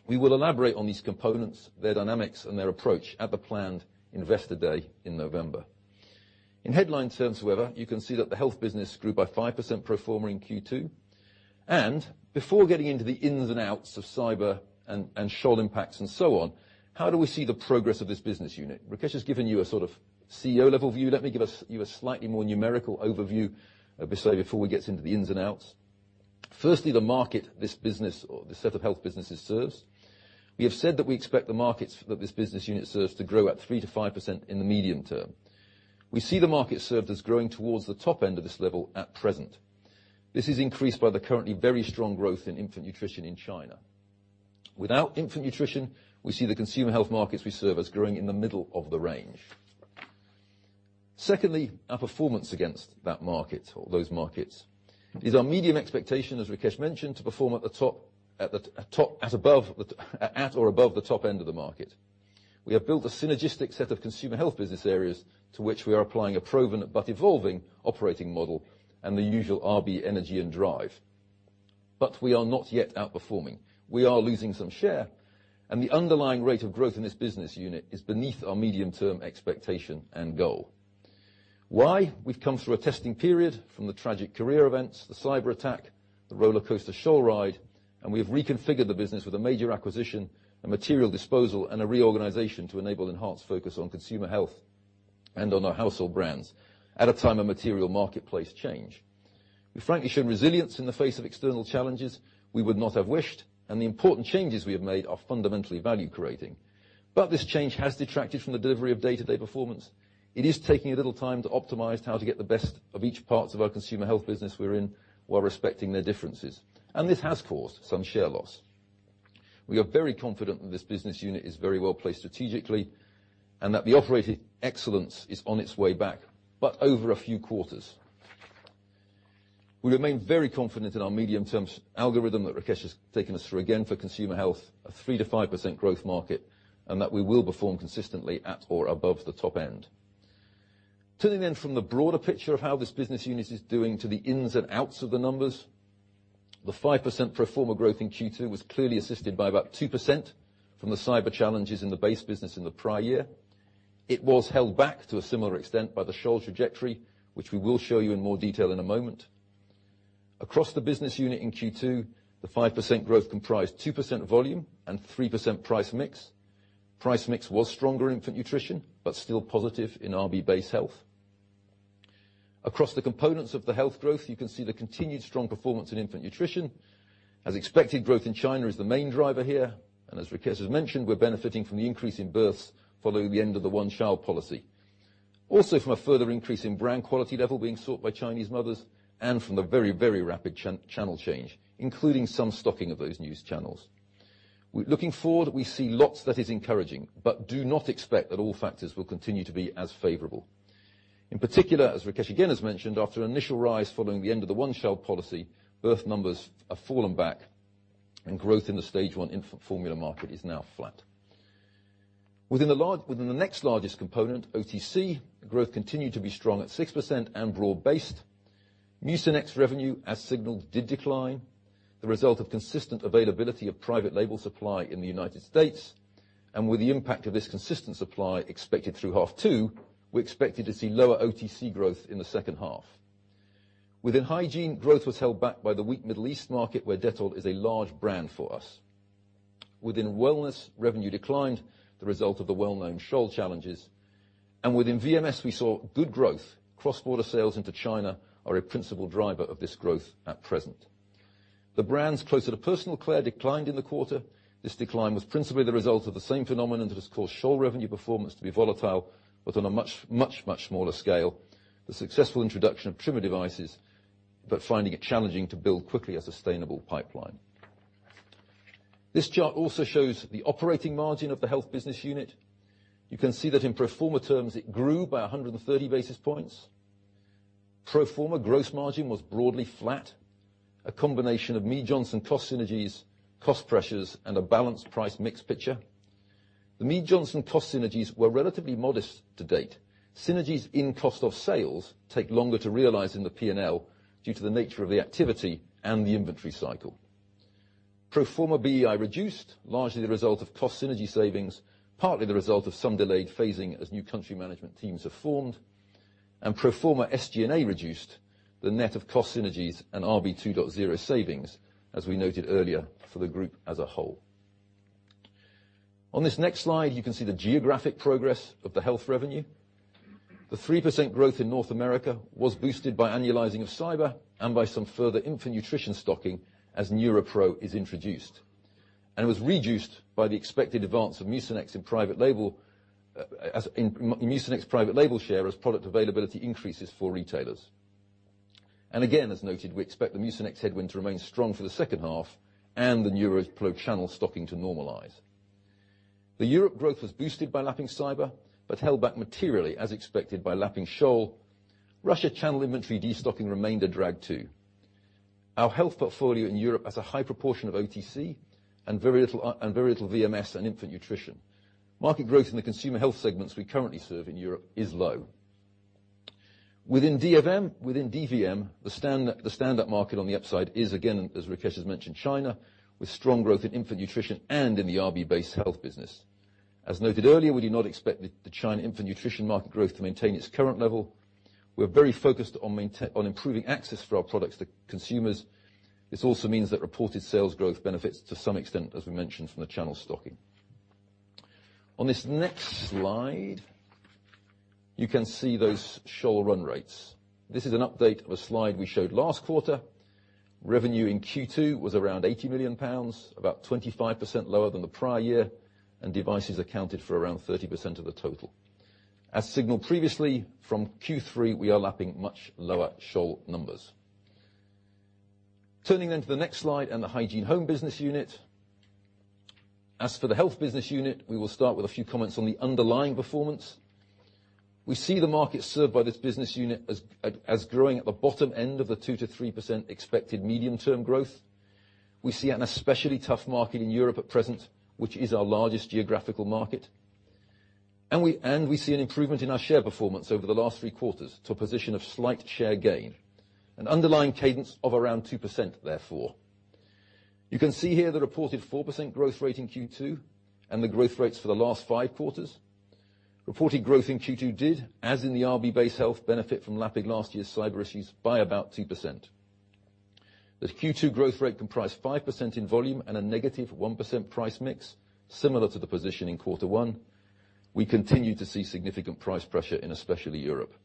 We will elaborate on these components, their dynamics, and their approach at the planned investor day in November. In headline terms, however, you can see that the health business grew by 5% pro forma in Q2. Before getting into the ins and outs of cyber-attack and Scholl impacts and so on, how do we see the progress of this business unit? Rakesh has given you a sort of CEO level view. Let me give you a slightly more numerical overview of this before we get into the ins and outs. Firstly, the market, this business or the set of health businesses serves. We have said that we expect the markets that this business unit serves to grow at 3%-5% in the medium term. We see the market served as growing towards the top end of this level at present. This is increased by the currently very strong growth in infant nutrition in China. Without infant nutrition, we see the consumer health markets we serve as growing in the middle of the range. Secondly, our performance against that market or those markets is our medium expectation, as Rakesh mentioned, to perform at or above the top end of the market. We have built a synergistic set of consumer health business areas to which we are applying a proven but evolving operating model and the usual RB energy and drive. We are not yet outperforming. We are losing some share, and the underlying rate of growth in this business unit is beneath our medium-term expectation and goal. Why? We've come through a testing period from the tragic Korea events, the cyber-attack, the rollercoaster Scholl ride. We have reconfigured the business with a major acquisition, a material disposal, and a reorganization to enable enhanced focus on consumer health and on our household brands at a time of material marketplace change. We frankly showed resilience in the face of external challenges we would not have wished, and the important changes we have made are fundamentally value-creating. This change has detracted from the delivery of day-to-day performance. It is taking a little time to optimize how to get the best of each parts of our consumer health business we're in while respecting their differences, and this has caused some share loss. We are very confident that this business unit is very well-placed strategically and that the operating excellence is on its way back, but over a few quarters. We remain very confident in our medium-term algorithm that Rakesh has taken us through, again, for Consumer Health, a 3%-5% growth market, and that we will perform consistently at or above the top end. Turning from the broader picture of how this business unit is doing to the ins and outs of the numbers, the 5% pro forma growth in Q2 was clearly assisted by about 2% from the cyber challenges in the base business in the prior year. It was held back to a similar extent by the Scholl trajectory, which we will show you in more detail in a moment. Across the business unit in Q2, the 5% growth comprised 2% volume and 3% price mix. Price mix was stronger in Infant Nutrition, but still positive in RB Base Health. Across the components of the Health growth, you can see the continued strong performance in Infant Nutrition. As expected, growth in China is the main driver here, and as Rakesh has mentioned, we are benefiting from the increase in births following the end of the one-child policy. Also from a further increase in brand quality level being sought by Chinese mothers, and from the very rapid channel change, including some stocking of those news channels. Looking forward, we see lots that is encouraging, do not expect that all factors will continue to be as favorable. In particular, as Rakesh again has mentioned, after initial rise following the end of the one-child policy, birth numbers have fallen back and growth in the Stage 1 Infant Formula market is now flat. Within the next largest component, OTC, growth continued to be strong at 6% and broad based. Mucinex revenue, as signaled, did decline, the result of consistent availability of private label supply in the U.S., and with the impact of this consistent supply expected through half 2, we expected to see lower OTC growth in the second half. Within Hygiene, growth was held back by the weak Middle East market, where Dettol is a large brand for us. Within Wellness, revenue declined, the result of the well-known Scholl challenges. Within VMS, we saw good growth. Cross-border sales into China are a principal driver of this growth at present. The brands closer to Personal Care declined in the quarter. This decline was principally the result of the same phenomenon that has caused Scholl revenue performance to be volatile, but on a much smaller scale, the successful introduction of Trima devices, finding it challenging to build quickly a sustainable pipeline. This chart also shows the operating margin of the Health business unit. You can see that in pro forma terms, it grew by 130 basis points. Pro forma gross margin was broadly flat, a combination of Mead Johnson cost synergies, cost pressures, and a balanced price mix picture. The Mead Johnson cost synergies were relatively modest to date. Synergies in cost of sales take longer to realize in the P&L due to the nature of the activity and the inventory cycle. Pro forma BEI reduced, largely the result of cost synergy savings, partly the result of some delayed phasing as new country management teams are formed. Pro forma SG&A reduced the net of cost synergies and RB2.0 savings, as we noted earlier, for the group as a whole. On this next slide, you can see the geographic progress of the health revenue. The 3% growth in North America was boosted by annualizing of cyber and by some further infant nutrition stocking as NeuroPro is introduced, and was reduced by the expected advance of Mucinex in private label share as product availability increases for retailers. Again, as noted, we expect the Mucinex headwind to remain strong for the second half and the NeuroPro channel stocking to normalize. The Europe growth was boosted by lapping cyber, but held back materially, as expected, by lapping Scholl. Russia channel inventory destocking remained a drag too. Our health portfolio in Europe has a high proportion of OTC and very little VMS and infant nutrition. Market growth in the consumer health segments we currently serve in Europe is low. Within DvM, the standout market on the upside is again, as Rakesh has mentioned, China, with strong growth in infant nutrition and in the RB-based health business. As noted earlier, we do not expect the China infant nutrition market growth to maintain its current level. We are very focused on improving access for our products to consumers. This also means that reported sales growth benefits to some extent, as we mentioned, from the channel stocking. On this next slide, you can see those Scholl run rates. This is an update of a slide we showed last quarter. Revenue in Q2 was around 80 million pounds, about 25% lower than the prior year. Devices accounted for around 30% of the total. As signaled previously, from Q3, we are lapping much lower Scholl numbers. Turning to the next slide and the Hygiene Home business unit. As for the health business unit, we will start with a few comments on the underlying performance. We see the market served by this business unit as growing at the bottom end of the 2%-3% expected medium-term growth. We see an especially tough market in Europe at present, which is our largest geographical market. We see an improvement in our share performance over the last three quarters to a position of slight share gain, an underlying cadence of around 2%, therefore. You can see here the reported 4% growth rate in Q2 and the growth rates for the last five quarters. Reported growth in Q2 did, as in the RB-based health benefit from lapping last year's cyber issues by about 2%. This Q2 growth rate comprised 5% in volume and a negative 1% price mix, similar to the position in quarter one. We continue to see significant price pressure in especially Europe.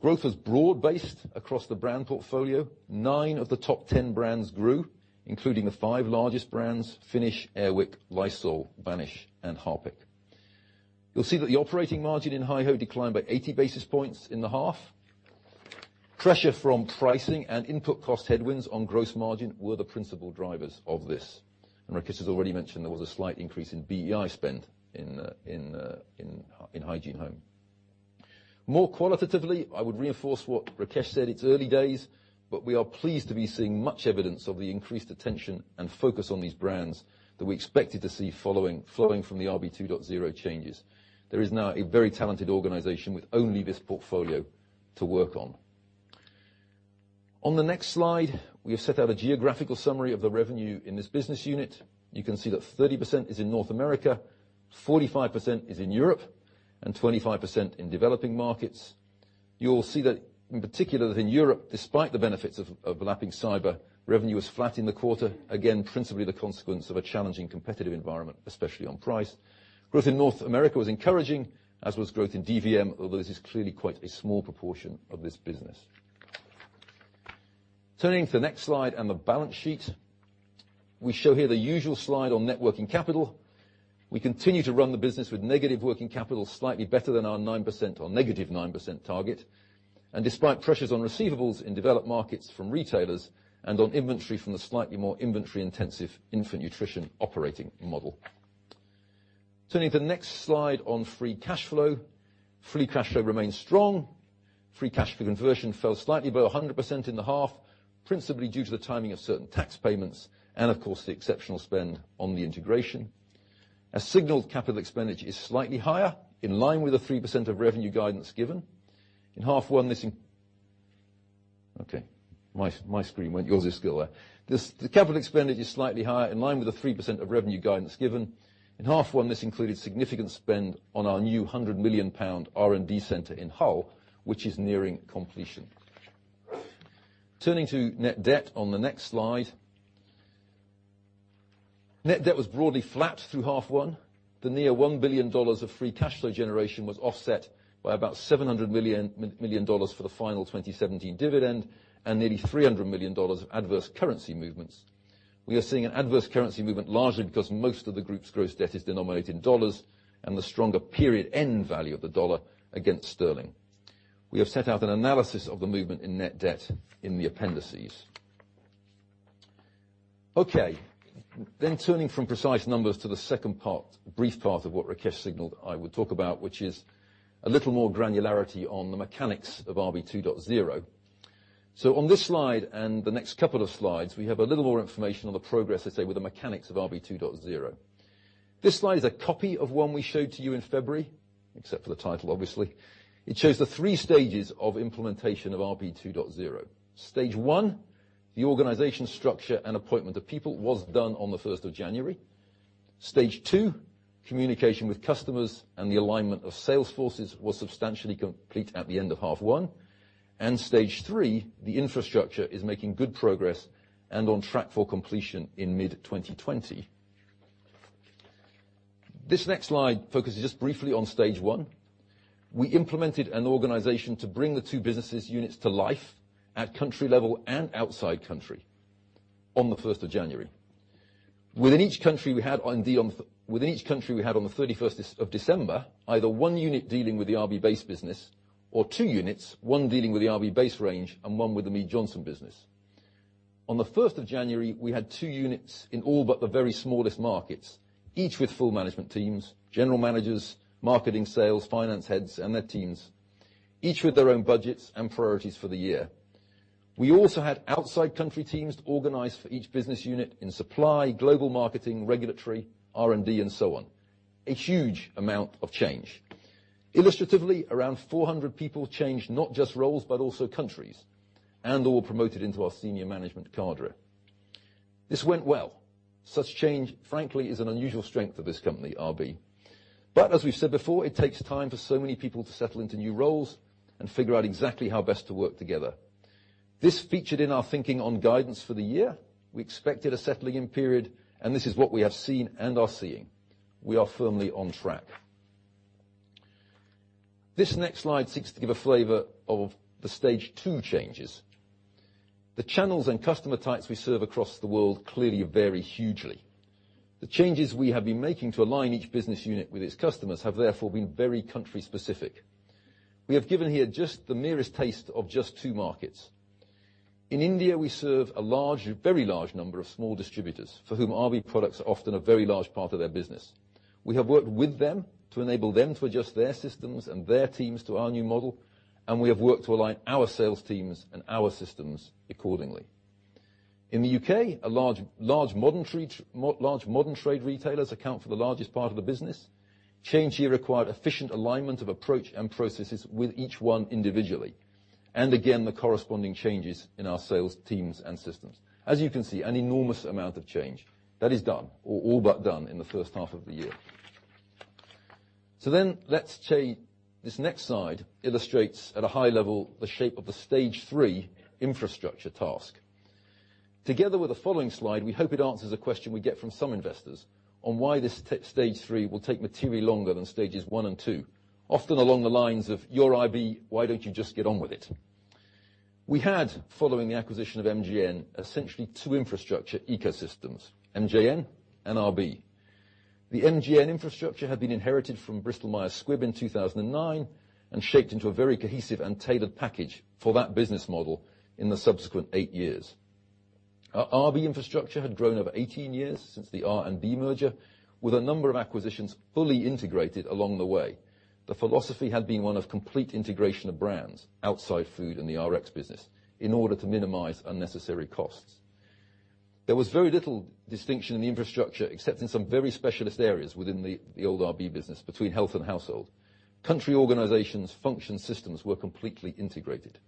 Growth was broad based across the brand portfolio. Nine of the top 10 brands grew, including the five largest brands, Finish, Air Wick, Lysol, Vanish, and Harpic. You will see that the operating margin in HyHo declined by 80 basis points in the half. Pressure from pricing and input cost headwinds on gross margin were the principal drivers of this. Rakesh has already mentioned there was a slight increase in BEI spend in Hygiene Home. More qualitatively, I would reinforce what Rakesh said, it is early days, but we are pleased to be seeing much evidence of the increased attention and focus on these brands that we expected to see flowing from the RB2.0 changes. There is now a very talented organization with only this portfolio to work on. On the next slide, we have set out a geographical summary of the revenue in this business unit. You can see that 30% is in North America, 45% is in Europe, and 25% in developing markets. You will see that in particular that in Europe, despite the benefits of lapping cyber, revenue was flat in the quarter, again, principally the consequence of a challenging competitive environment, especially on price. Growth in North America was encouraging, as was growth in DvM, although this is clearly quite a small proportion of this business. Turning to the next slide and the balance sheet. We show here the usual slide on net working capital. We continue to run the business with negative working capital slightly better than our 9% or negative 9% target, despite pressures on receivables in developed markets from retailers and on inventory from the slightly more inventory-intensive infant nutrition operating model. Turning to the next slide on free cash flow. Free cash flow remains strong. Free cash flow conversion fell slightly below 100% in the half, principally due to the timing of certain tax payments, of course, the exceptional spend on the integration. As signaled, capital expenditure is slightly higher, in line with the 3% of revenue guidance given. In half one, Okay, my screen went. Yours is still there. The capital expenditure is slightly higher, in line with the 3% of revenue guidance given. In half one, this included significant spend on our new 100 million pound R&D center in Hull, which is nearing completion. Turning to net debt on the next slide. Net debt was broadly flat through half one. The near $1 billion of free cash flow generation was offset by about $700 million for the final 2017 dividend and nearly $300 million of adverse currency movements. We are seeing an adverse currency movement largely because most of the group's gross debt is denominated in dollars and the stronger period end value of the dollar against sterling. We have set out an analysis of the movement in net debt in the appendices. Okay. Turning from precise numbers to the second part, brief part of what Rakesh signaled I would talk about, which is a little more granularity on the mechanics of RB2.0. On this slide and the next couple of slides, we have a little more information on the progress, let's say, with the mechanics of RB2.0. This slide is a copy of one we showed to you in February, except for the title, obviously. It shows the 3 stages of implementation of RB2.0. Stage 1, the organization structure and appointment of people was done on the 1st of January. Stage 2, communication with customers and the alignment of sales forces was substantially complete at the end of half one. Stage 3, the infrastructure is making good progress and on track for completion in mid-2020. This next slide focuses just briefly on Stage 1. We implemented an organization to bring the two businesses units to life at country level and outside country on the 1st of January. Within each country we had on the 31st of December, either one unit dealing with the RB base business or two units, one dealing with the RB base range and one with the Mead Johnson business. On the 1st of January, we had two units in all but the very smallest markets, each with full management teams, general managers, marketing, sales, finance heads, and their teams, each with their own budgets and priorities for the year. We also had outside country teams organized for each business unit in supply, global marketing, regulatory, R&D, and so on. A huge amount of change. Illustratively, around 400 people changed not just roles, but also countries, and/or promoted into our senior management cadre. This went well. Such change, frankly, is an unusual strength of this company, RB. As we've said before, it takes time for so many people to settle into new roles and figure out exactly how best to work together. This featured in our thinking on guidance for the year. We expected a settling-in period, and this is what we have seen and are seeing. We are firmly on track. This next slide seeks to give a flavor of the stage 2 changes. The channels and customer types we serve across the world clearly vary hugely. The changes we have been making to align each business unit with its customers have therefore been very country specific. We have given here just the merest taste of just two markets. In India, we serve a very large number of small distributors for whom RB products are often a very large part of their business. We have worked with them to enable them to adjust their systems and their teams to our new model, and we have worked to align our sales teams and our systems accordingly. In the U.K., large modern trade retailers account for the largest part of the business. Change here required efficient alignment of approach and processes with each one individually, and again, the corresponding changes in our sales teams and systems. As you can see, an enormous amount of change that is done or all but done in the first half of the year. Let's say this next slide illustrates at a high level the shape of the stage 3 infrastructure task. Together with the following slide, we hope it answers a question we get from some investors on why this stage 3 will take materially longer than stages 1 and 2, often along the lines of, "You're RB, why don't you just get on with it?" We had, following the acquisition of MJN, essentially two infrastructure ecosystems, MJN and RB. The MJN infrastructure had been inherited from Bristol-Myers Squibb in 2009 and shaped into a very cohesive and tailored package for that business model in the subsequent eight years. Our RB infrastructure had grown over 18 years since the RB merger, with a number of acquisitions fully integrated along the way. The philosophy had been one of complete integration of brands outside food and the Rx business in order to minimize unnecessary costs. There was very little distinction in the infrastructure, except in some very specialist areas within the old RB business between health and household. Country organizations function systems were completely integrated.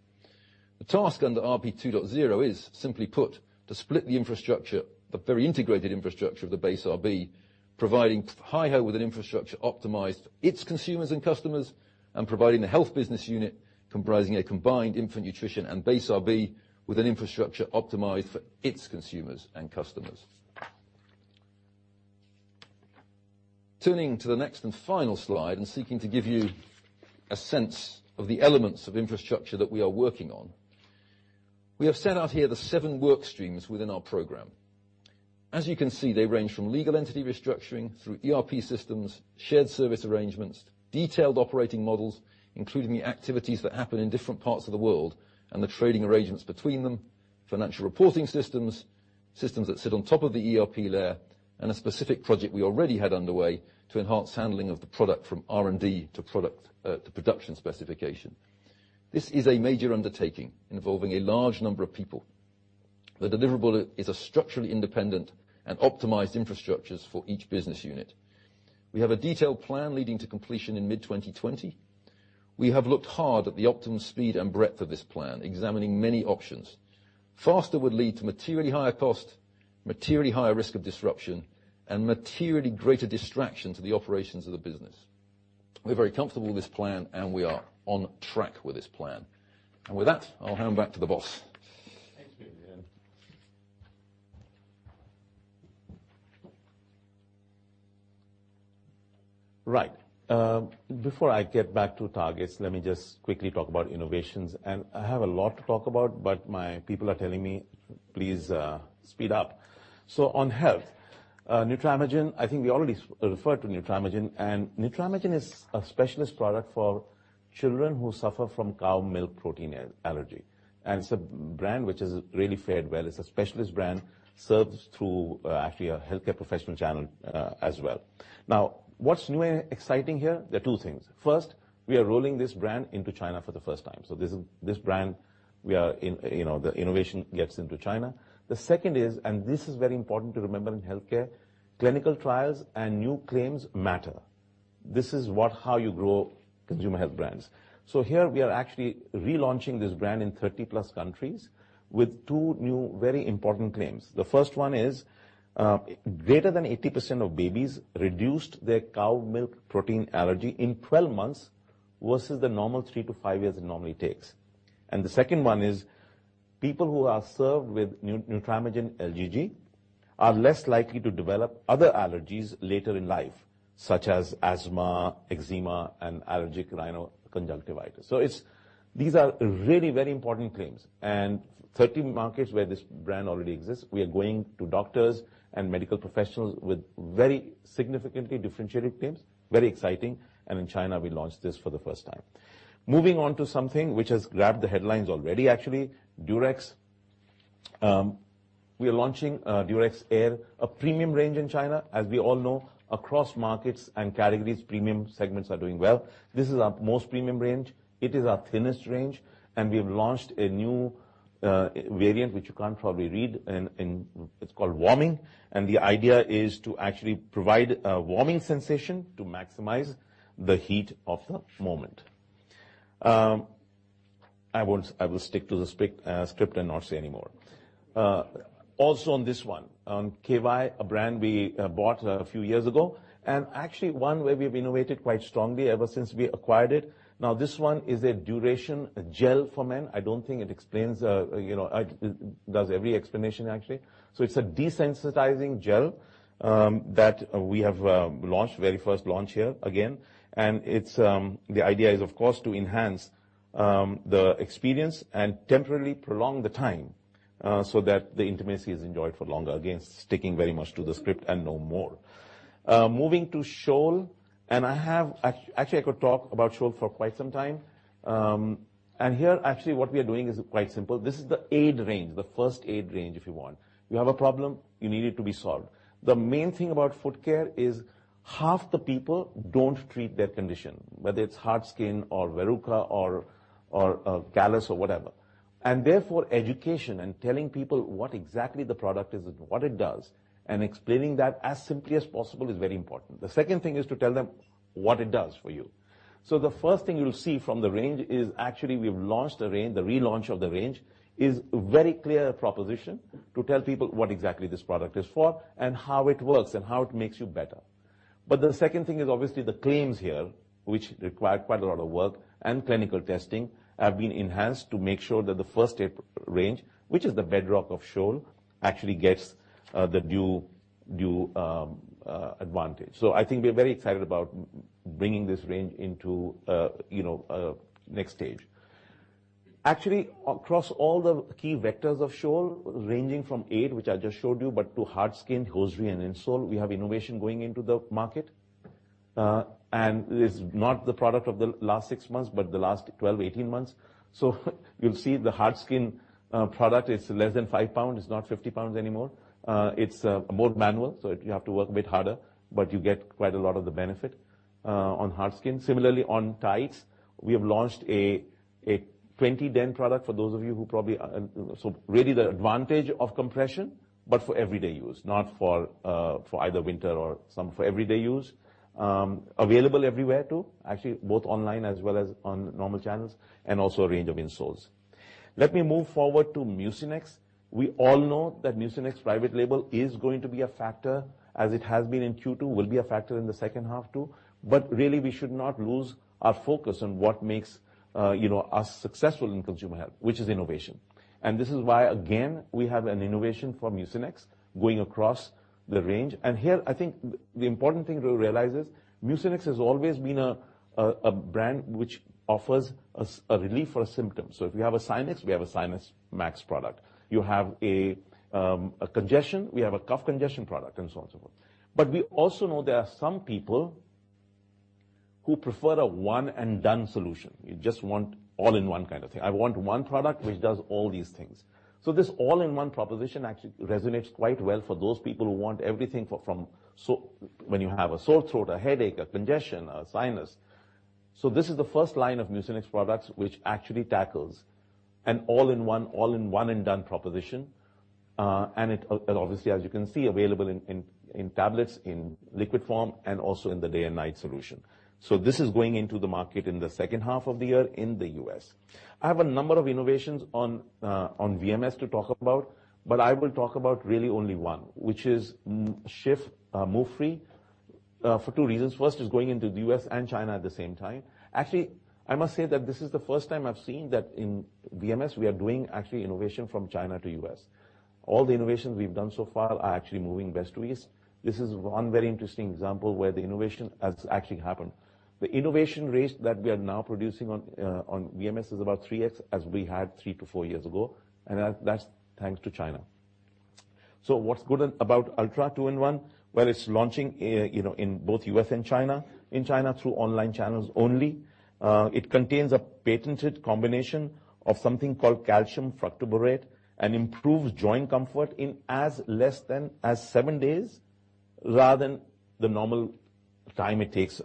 The task under RB2.0 is, simply put, to split the infrastructure, the very integrated infrastructure of the base RB, providing HyHo with an infrastructure optimized for its consumers and customers, and providing the health business unit comprising a combined infant nutrition and base RB with an infrastructure optimized for its consumers and customers. Turning to the next and final slide and seeking to give you a sense of the elements of infrastructure that we are working on. We have set out here the seven work streams within our program. They range from legal entity restructuring through ERP systems, shared service arrangements, detailed operating models, including the activities that happen in different parts of the world and the trading arrangements between them, financial reporting systems that sit on top of the ERP layer, and a specific project we already had underway to enhance handling of the product from R&D to production specification. This is a major undertaking involving a large number of people. The deliverable is a structurally independent and optimized infrastructures for each business unit. We have a detailed plan leading to completion in mid-2020. We have looked hard at the optimum speed and breadth of this plan, examining many options. Faster would lead to materially higher cost, materially higher risk of disruption, and materially greater distraction to the operations of the business. We're very comfortable with this plan, and we are on track with this plan. With that, I'll hand back to the boss. Thank you, Adrian. Right. Before I get back to targets, let me just quickly talk about innovations, and I have a lot to talk about, but my people are telling me, "Please speed up." On health, Nutramigen, I think we already referred to Nutramigen, and Nutramigen is a specialist product for children who suffer from cow milk protein allergy, and it's a brand which has really fared well. It's a specialist brand, serves through actually a healthcare professional channel as well. Now, what's new and exciting here? There are two things. First, we are rolling this brand into China for the first time. This brand, the innovation gets into China. The second is, and this is very important to remember in healthcare, clinical trials and new claims matter. This is how you grow consumer health brands. Here we are actually relaunching this brand in 30+ countries with two new very important claims. The first one is, greater than 80% of babies reduced their cow milk protein allergy in 12 months versus the normal 3-5 years it normally takes. The second one is, people who are served with Nutramigen LGG are less likely to develop other allergies later in life, such as asthma, eczema, and allergic rhino conjunctivitis. These are really very important claims. 30 markets where this brand already exists, we are going to doctors and medical professionals with very significantly differentiated claims, very exciting. In China, we launched this for the first time. Moving on to something which has grabbed the headlines already, actually, Durex. We are launching Durex Air, a premium range in China. As we all know, across markets and categories, premium segments are doing well. This is our most premium range. It is our thinnest range, and we have launched a new, variant, which you can't probably read, and it's called Warming, and the idea is to actually provide a warming sensation to maximize the heat of the moment. I will stick to the script and not say anymore. Also on this one, K-Y, a brand we bought a few years ago, and actually one where we've innovated quite strongly ever since we acquired it. Now, this one is a duration gel for men. I don't think it does every explanation, actually. It's a desensitizing gel that we have launched, very first launch here again. The idea is, of course, to enhance the experience and temporarily prolong the time, so that the intimacy is enjoyed for longer. Again, sticking very much to the script and no more. Moving to Scholl, and actually, I could talk about Scholl for quite some time. Here actually what we are doing is quite simple. This is the aid range, the first aid range if you want. You have a problem, you need it to be solved. The main thing about foot care is half the people don't treat their condition, whether it's hard skin or verruca or a callus or whatever. Therefore, education and telling people what exactly the product is and what it does and explaining that as simply as possible is very important. The second thing is to tell them what it does for you. The first thing you'll see from the range is actually, we've launched the range, the relaunch of the range, is very clear proposition to tell people what exactly this product is for and how it works and how it makes you better. The second thing is obviously the claims here, which require quite a lot of work and clinical testing, have been enhanced to make sure that the first aid range, which is the bedrock of Scholl, actually gets the due advantage. I think we are very excited about bringing this range into next stage. Actually, across all the key vectors of Scholl, ranging from aid, which I just showed you, but to hard skin, hosiery, and insole, we have innovation going into the market. This is not the product of the last 6 months but the last 12, 18 months. You'll see the hard skin product is less than 5 pounds, it's not 50 pounds anymore. It's more manual, you have to work a bit harder, but you get quite a lot of the benefit on hard skin. Similarly, on tights, we have launched a 20 den product for those of you who probably Really the advantage of compression For everyday use, not for either winter or summer, for everyday use. Available everywhere too, actually, both online as well as on normal channels, and also a range of insoles. Let me move forward to Mucinex. We all know that Mucinex private label is going to be a factor, as it has been in Q2, will be a factor in the second half too. Really, we should not lose our focus on what makes us successful in consumer health, which is innovation. This is why, again, we have an innovation for Mucinex going across the range. Here, I think the important thing to realize is Mucinex has always been a brand which offers us a relief or a symptom. If you have a sinus, we have a Sinus Max product. You have a congestion, we have a cough, congestion product, and so on, so forth. We also know there are some people who prefer the one-and-done solution. You just want all-in-one kind of thing. I want one product which does all these things. This all-in-one proposition actually resonates quite well for those people who want everything from when you have a sore throat, a headache, a congestion, a sinus. This is the first line of Mucinex products, which actually tackles an all-in-one and done proposition. Obviously, as you can see, available in tablets, in liquid form, and also in the day and night solution. This is going into the market in the second half of the year in the U.S. I have a number of innovations on VMS to talk about, but I will talk about really only one, which is Schiff Move Free, for two reasons. First is going into the U.S. and China at the same time. Actually, I must say that this is the first time I've seen that in VMS, we are doing actually innovation from China to U.S. All the innovations we've done so far are actually moving west to east. This is one very interesting example where the innovation has actually happened. The innovation rates that we are now producing on VMS is about 3X as we had 3-4 years ago, and that's thanks to China. What's good about Ultra 2-in-1? Well, it's launching in both U.S. and China. In China through online channels only. It contains a patented combination of something called calcium fructoborate and improves joint comfort in as less than as seven days, rather than the normal time it takes.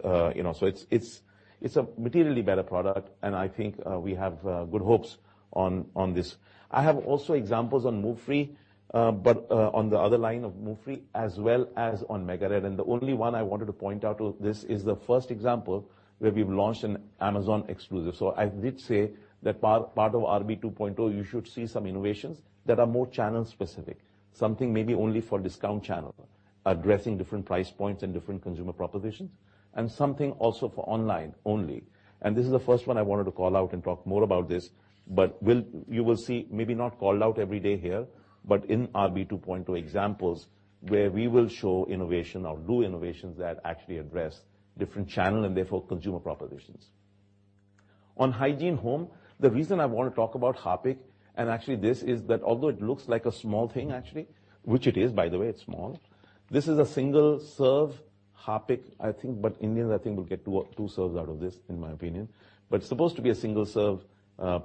It's a materially better product, and I think we have good hopes on this. I have also examples on Move Free, but on the other line of Move Free as well as on MegaRed, and the only one I wanted to point out to this is the first example where we've launched an Amazon exclusive. I did say that part of RB 2.0, you should see some innovations that are more channel specific. Something maybe only for discount channel, addressing different price points and different consumer propositions, something also for online only. This is the first one I wanted to call out and talk more about this, but you will see, maybe not called out every day here, but in RB 2.0 examples, where we will show innovation or do innovations that actually address different channel and therefore consumer propositions. On Hygiene Home, the reason I want to talk about Harpic, and actually this, is that although it looks like a small thing, actually, which it is, by the way, it's small. This is a single-serve Harpic, I think, but Indians, I think, will get two serves out of this, in my opinion. But it's supposed to be a single-serve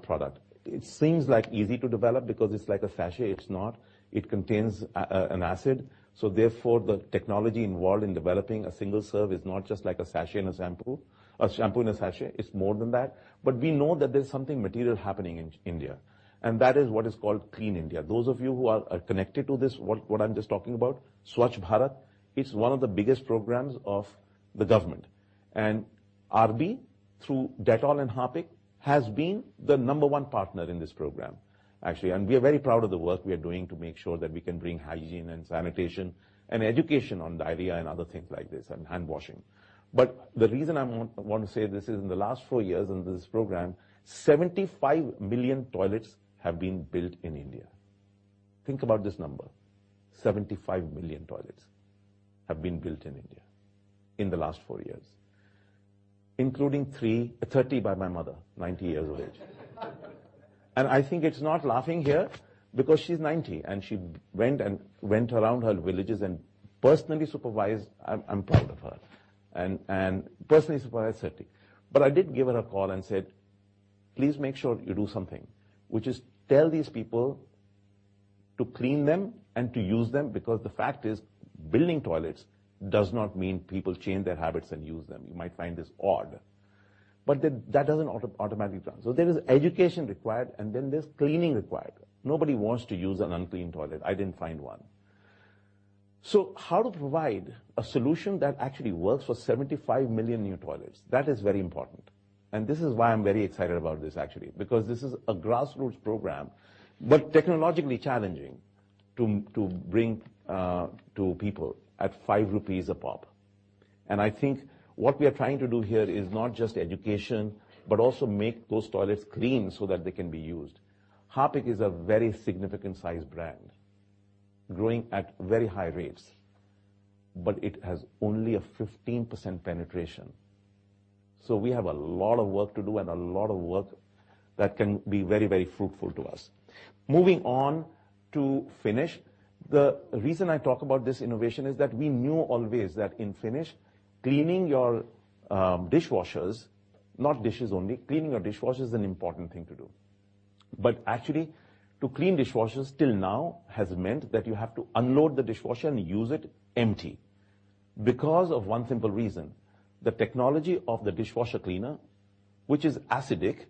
product. It seems easy to develop because it's like a sachet. It's not. It contains an acid. Therefore, the technology involved in developing a single serve is not just like a sachet and a sample. A shampoo and a sachet, it's more than that. We know that there's something material happening in India, and that is what is called Clean India. Those of you who are connected to this, what I'm just talking about, Swachh Bharat, it's one of the biggest programs of the government. RB, through Dettol and Harpic, has been the number one partner in this program, actually. We are very proud of the work we are doing to make sure that we can bring hygiene and sanitation and education on diarrhea and other things like this, and hand washing. The reason I want to say this is in the last four years in this program, 75 million toilets have been built in India. Think about this number. 75 million toilets have been built in India in the last four years, including 30 by my mother, 90 years of age. I think it's not laughing here because she's 90, and she went around her villages and personally supervised. I'm proud of her. Personally supervised 30. I did give her a call and said, "Please make sure you do something," which is tell these people to clean them and to use them, because the fact is building toilets does not mean people change their habits and use them. You might find this odd, but that doesn't automatically transfer. There is education required, and then there's cleaning required. Nobody wants to use an unclean toilet. I didn't find one. How to provide a solution that actually works for 75 million new toilets? That is very important, this is why I'm very excited about this, actually, because this is a grassroots program, but technologically challenging to bring to people at 5 rupees a pop. I think what we are trying to do here is not just education, but also make those toilets clean so that they can be used. Harpic is a very significant size brand growing at very high rates, but it has only a 15% penetration. We have a lot of work to do and a lot of work that can be very fruitful to us. Moving on to Finish. The reason I talk about this innovation is that we knew always that in Finish, cleaning your dishwashers, not dishes only, cleaning your dishwasher is an important thing to do. Actually, to clean dishwashers till now has meant that you have to unload the dishwasher and use it empty. Because of one simple reason, the technology of the dishwasher cleaner, which is acidic,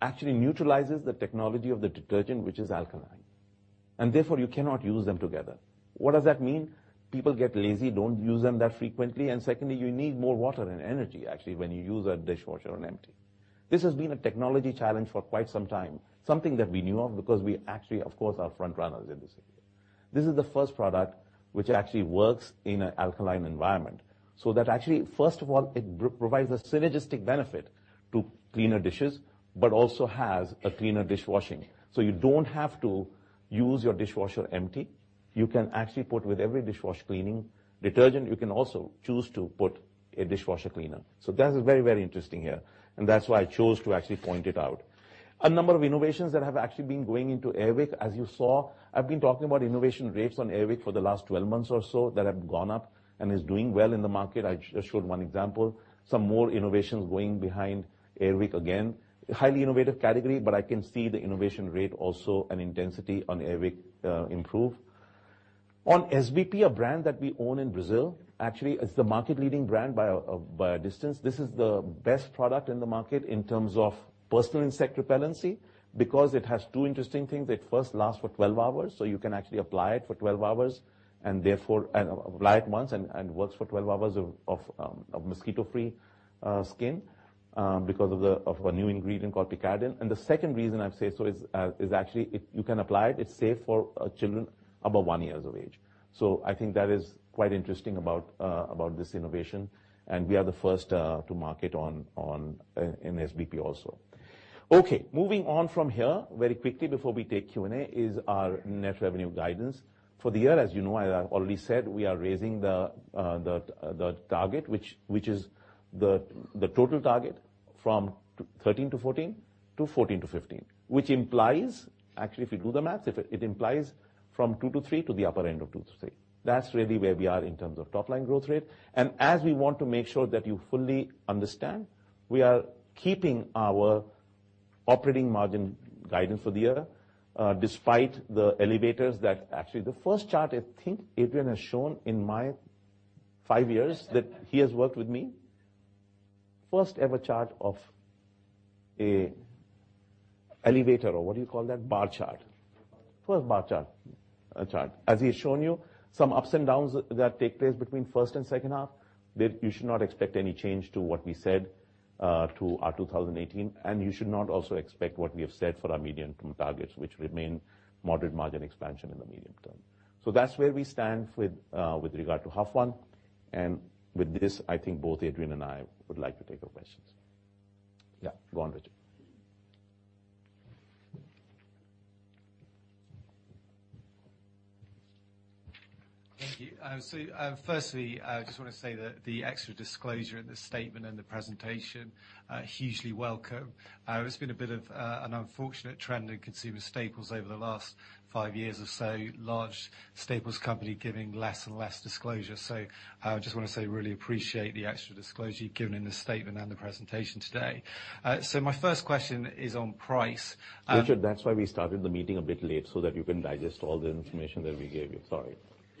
actually neutralizes the technology of the detergent, which is alkaline, and therefore you cannot use them together. What does that mean? People get lazy, don't use them that frequently, and secondly, you need more water and energy actually, when you use a dishwasher on empty. This has been a technology challenge for quite some time, something that we knew of because we actually, of course, are front runners in this area. This is the first product which actually works in an alkaline environment. That actually, first of all, it provides a synergistic benefit to cleaner dishes, but also has a cleaner dishwashing. You don't have to use your dishwasher empty. You can actually put with every dishwasher cleaning detergent, you can also choose to put a dishwasher cleaner. That is very, very interesting here, and that's why I chose to actually point it out. A number of innovations that have actually been going into Air Wick. As you saw, I've been talking about innovation rates on Air Wick for the last 12 months or so that have gone up and is doing well in the market. I showed one example, some more innovations going behind Air Wick again. A highly innovative category, but I can see the innovation rate also an intensity on Air Wick improve. On SBP, a brand that we own in Brazil, actually it's the market-leading brand by a distance. This is the best product in the market in terms of personal insect repellency because it has two interesting things. It first lasts for 12 hours, so you can actually apply it for 12 hours and therefore apply it once and works for 12 hours of mosquito-free skin, because of a new ingredient called picaridin. The second reason I say so is actually you can apply it's safe for children above one year of age. I think that is quite interesting about this innovation, and we are the first to market in SBP also. Okay, moving on from here very quickly before we take Q&A is our net revenue guidance. For the year, as you know, I already said we are raising the target, which is the total target from 13% to 14% to 14% to 15%, which implies actually if you do the maths, it implies from 2% to 3% to the upper end of 2% to 3%. That's really where we are in terms of top line growth rate. As we want to make sure that you fully understand, we are keeping our operating margin guidance for the year, despite the elevators that actually the first chart I think Adrian has shown in my five years that he has worked with me, first ever chart of an elevator or what do you call that? Bar chart. Bar chart. First bar chart. As he has shown you some ups and downs that take place between first and second half, you should not expect any change to what we said, to our 2018. You should not also expect what we have said for our medium-term targets, which remain moderate margin expansion in the medium term. That's where we stand with regard to half one. With this, I think both Adrian and I would like to take your questions. Yeah, go on, Richard. Thank you. Firstly, I just want to say that the extra disclosure in the statement and the presentation are hugely welcome. It's been a bit of an unfortunate trend in consumer staples over the last five years or so, large staples company giving less and less disclosure. I just want to say, really appreciate the extra disclosure you've given in the statement and the presentation today. My first question is on price- Richard, that's why we started the meeting a bit late so that you can digest all the information that we gave you.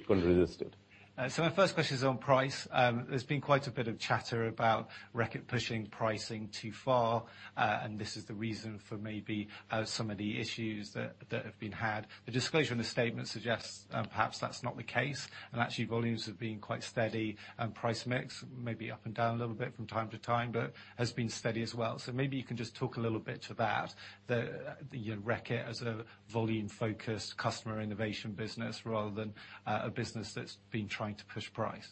Sorry. Couldn't resist it. My first question is on price. There's been quite a bit of chatter about Reckitt pushing pricing too far, and this is the reason for maybe some of the issues that have been had. The disclosure in the statement suggests perhaps that's not the case and actually volumes have been quite steady and price mix maybe up and down a little bit from time to time, but has been steady as well. Maybe you can just talk a little bit to that, Reckitt as a volume-focused customer innovation business rather than a business that's been trying to push price.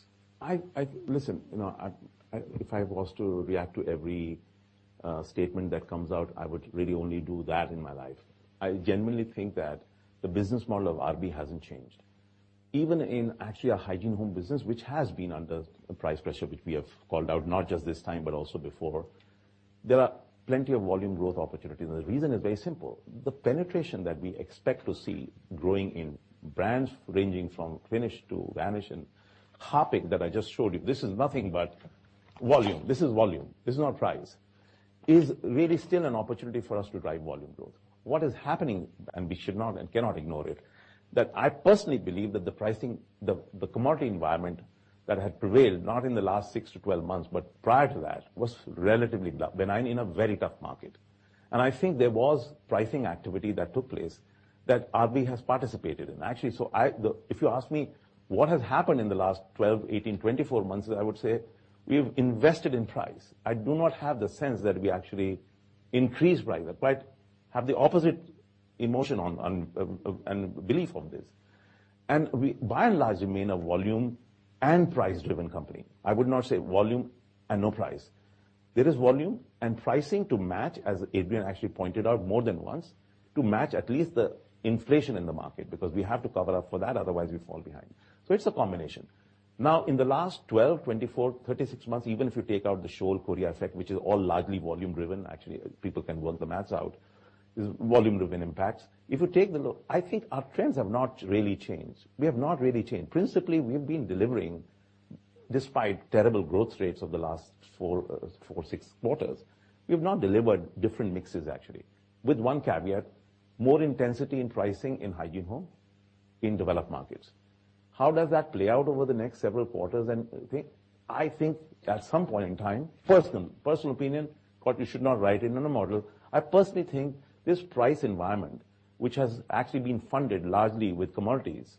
Listen, if I was to react to every statement that comes out, I would really only do that in my life. I genuinely think that the business model of RB hasn't changed. Even in actually our Hygiene Home business, which has been under price pressure, which we have called out not just this time but also before. There are plenty of volume growth opportunities. The reason is very simple. The penetration that we expect to see growing in brands ranging from Finish to Vanish and Harpic that I just showed you, this is nothing but volume. This is volume. This is not price. It is really still an opportunity for us to drive volume growth. What is happening, we should not and cannot ignore it, that I personally believe that the pricing, the commodity environment that had prevailed, not in the last 6 to 12 months but prior to that, was relatively in a very tough market. I think there was pricing activity that took place that RB has participated in. If you ask me what has happened in the last 12, 18, 24 months, I would say we've invested in price. I do not have the sense that we actually increased price. I quite have the opposite emotion and belief of this. We by and large remain a volume and price-driven company. I would not say volume and no price. There is volume and pricing to match, as Adrian actually pointed out more than once, to match at least the inflation in the market because we have to cover up for that otherwise we fall behind. It's a combination. Now in the last 12, 24, 36 months, even if you take out the Scholl, Korea effect, which is all largely volume driven, actually people can work the maths out, it is volume driven impacts. If you take the look, I think our trends have not really changed. We have not really changed. Principally, we've been delivering despite terrible growth rates of the last 4, 6 quarters. We've not delivered different mixes actually, with one caveat, more intensity in pricing in Hygiene Home in developed markets. How does that play out over the next several quarters? I think at some point in time, personal opinion, what you should not write in on a model, I personally think this price environment, which has actually been funded largely with commodities,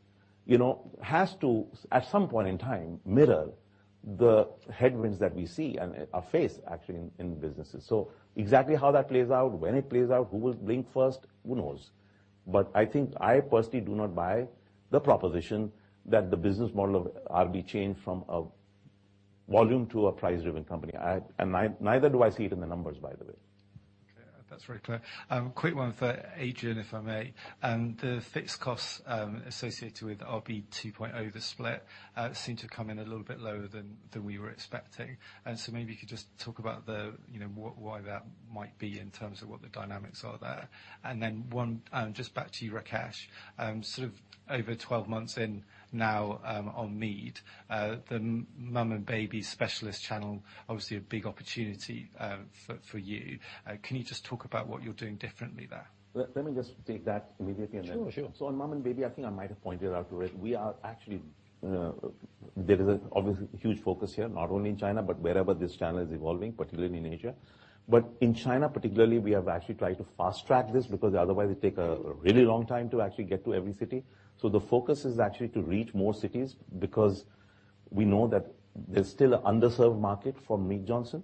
has to, at some point in time, mirror the headwinds that we see and face actually in businesses. Exactly how that plays out, when it plays out, who will blink first, who knows? I think I personally do not buy the proposition that the business model of RB changed from a volume to a price-driven company. Neither do I see it in the numbers, by the way. Okay. That's very clear. A quick one for Adrian, if I may. The fixed costs associated with RB2.0, the split, seem to come in a little bit lower than we were expecting. Maybe you could just talk about why that might be in terms of what the dynamics are there. Then one just back to you, Rakesh. Sort of over 12 months in now on Mead, the mom and baby specialist channel, obviously a big opportunity for you. Can you just talk about what you're doing differently there? Let me just take that immediately. Sure On mom and baby, I think I might have pointed out already, there is a obviously huge focus here, not only in China but wherever this channel is evolving, particularly in Asia. In China particularly, we have actually tried to fast-track this because otherwise it take a really long time to actually get to every city. The focus is actually to reach more cities because we know that there's still a underserved market for Mead Johnson,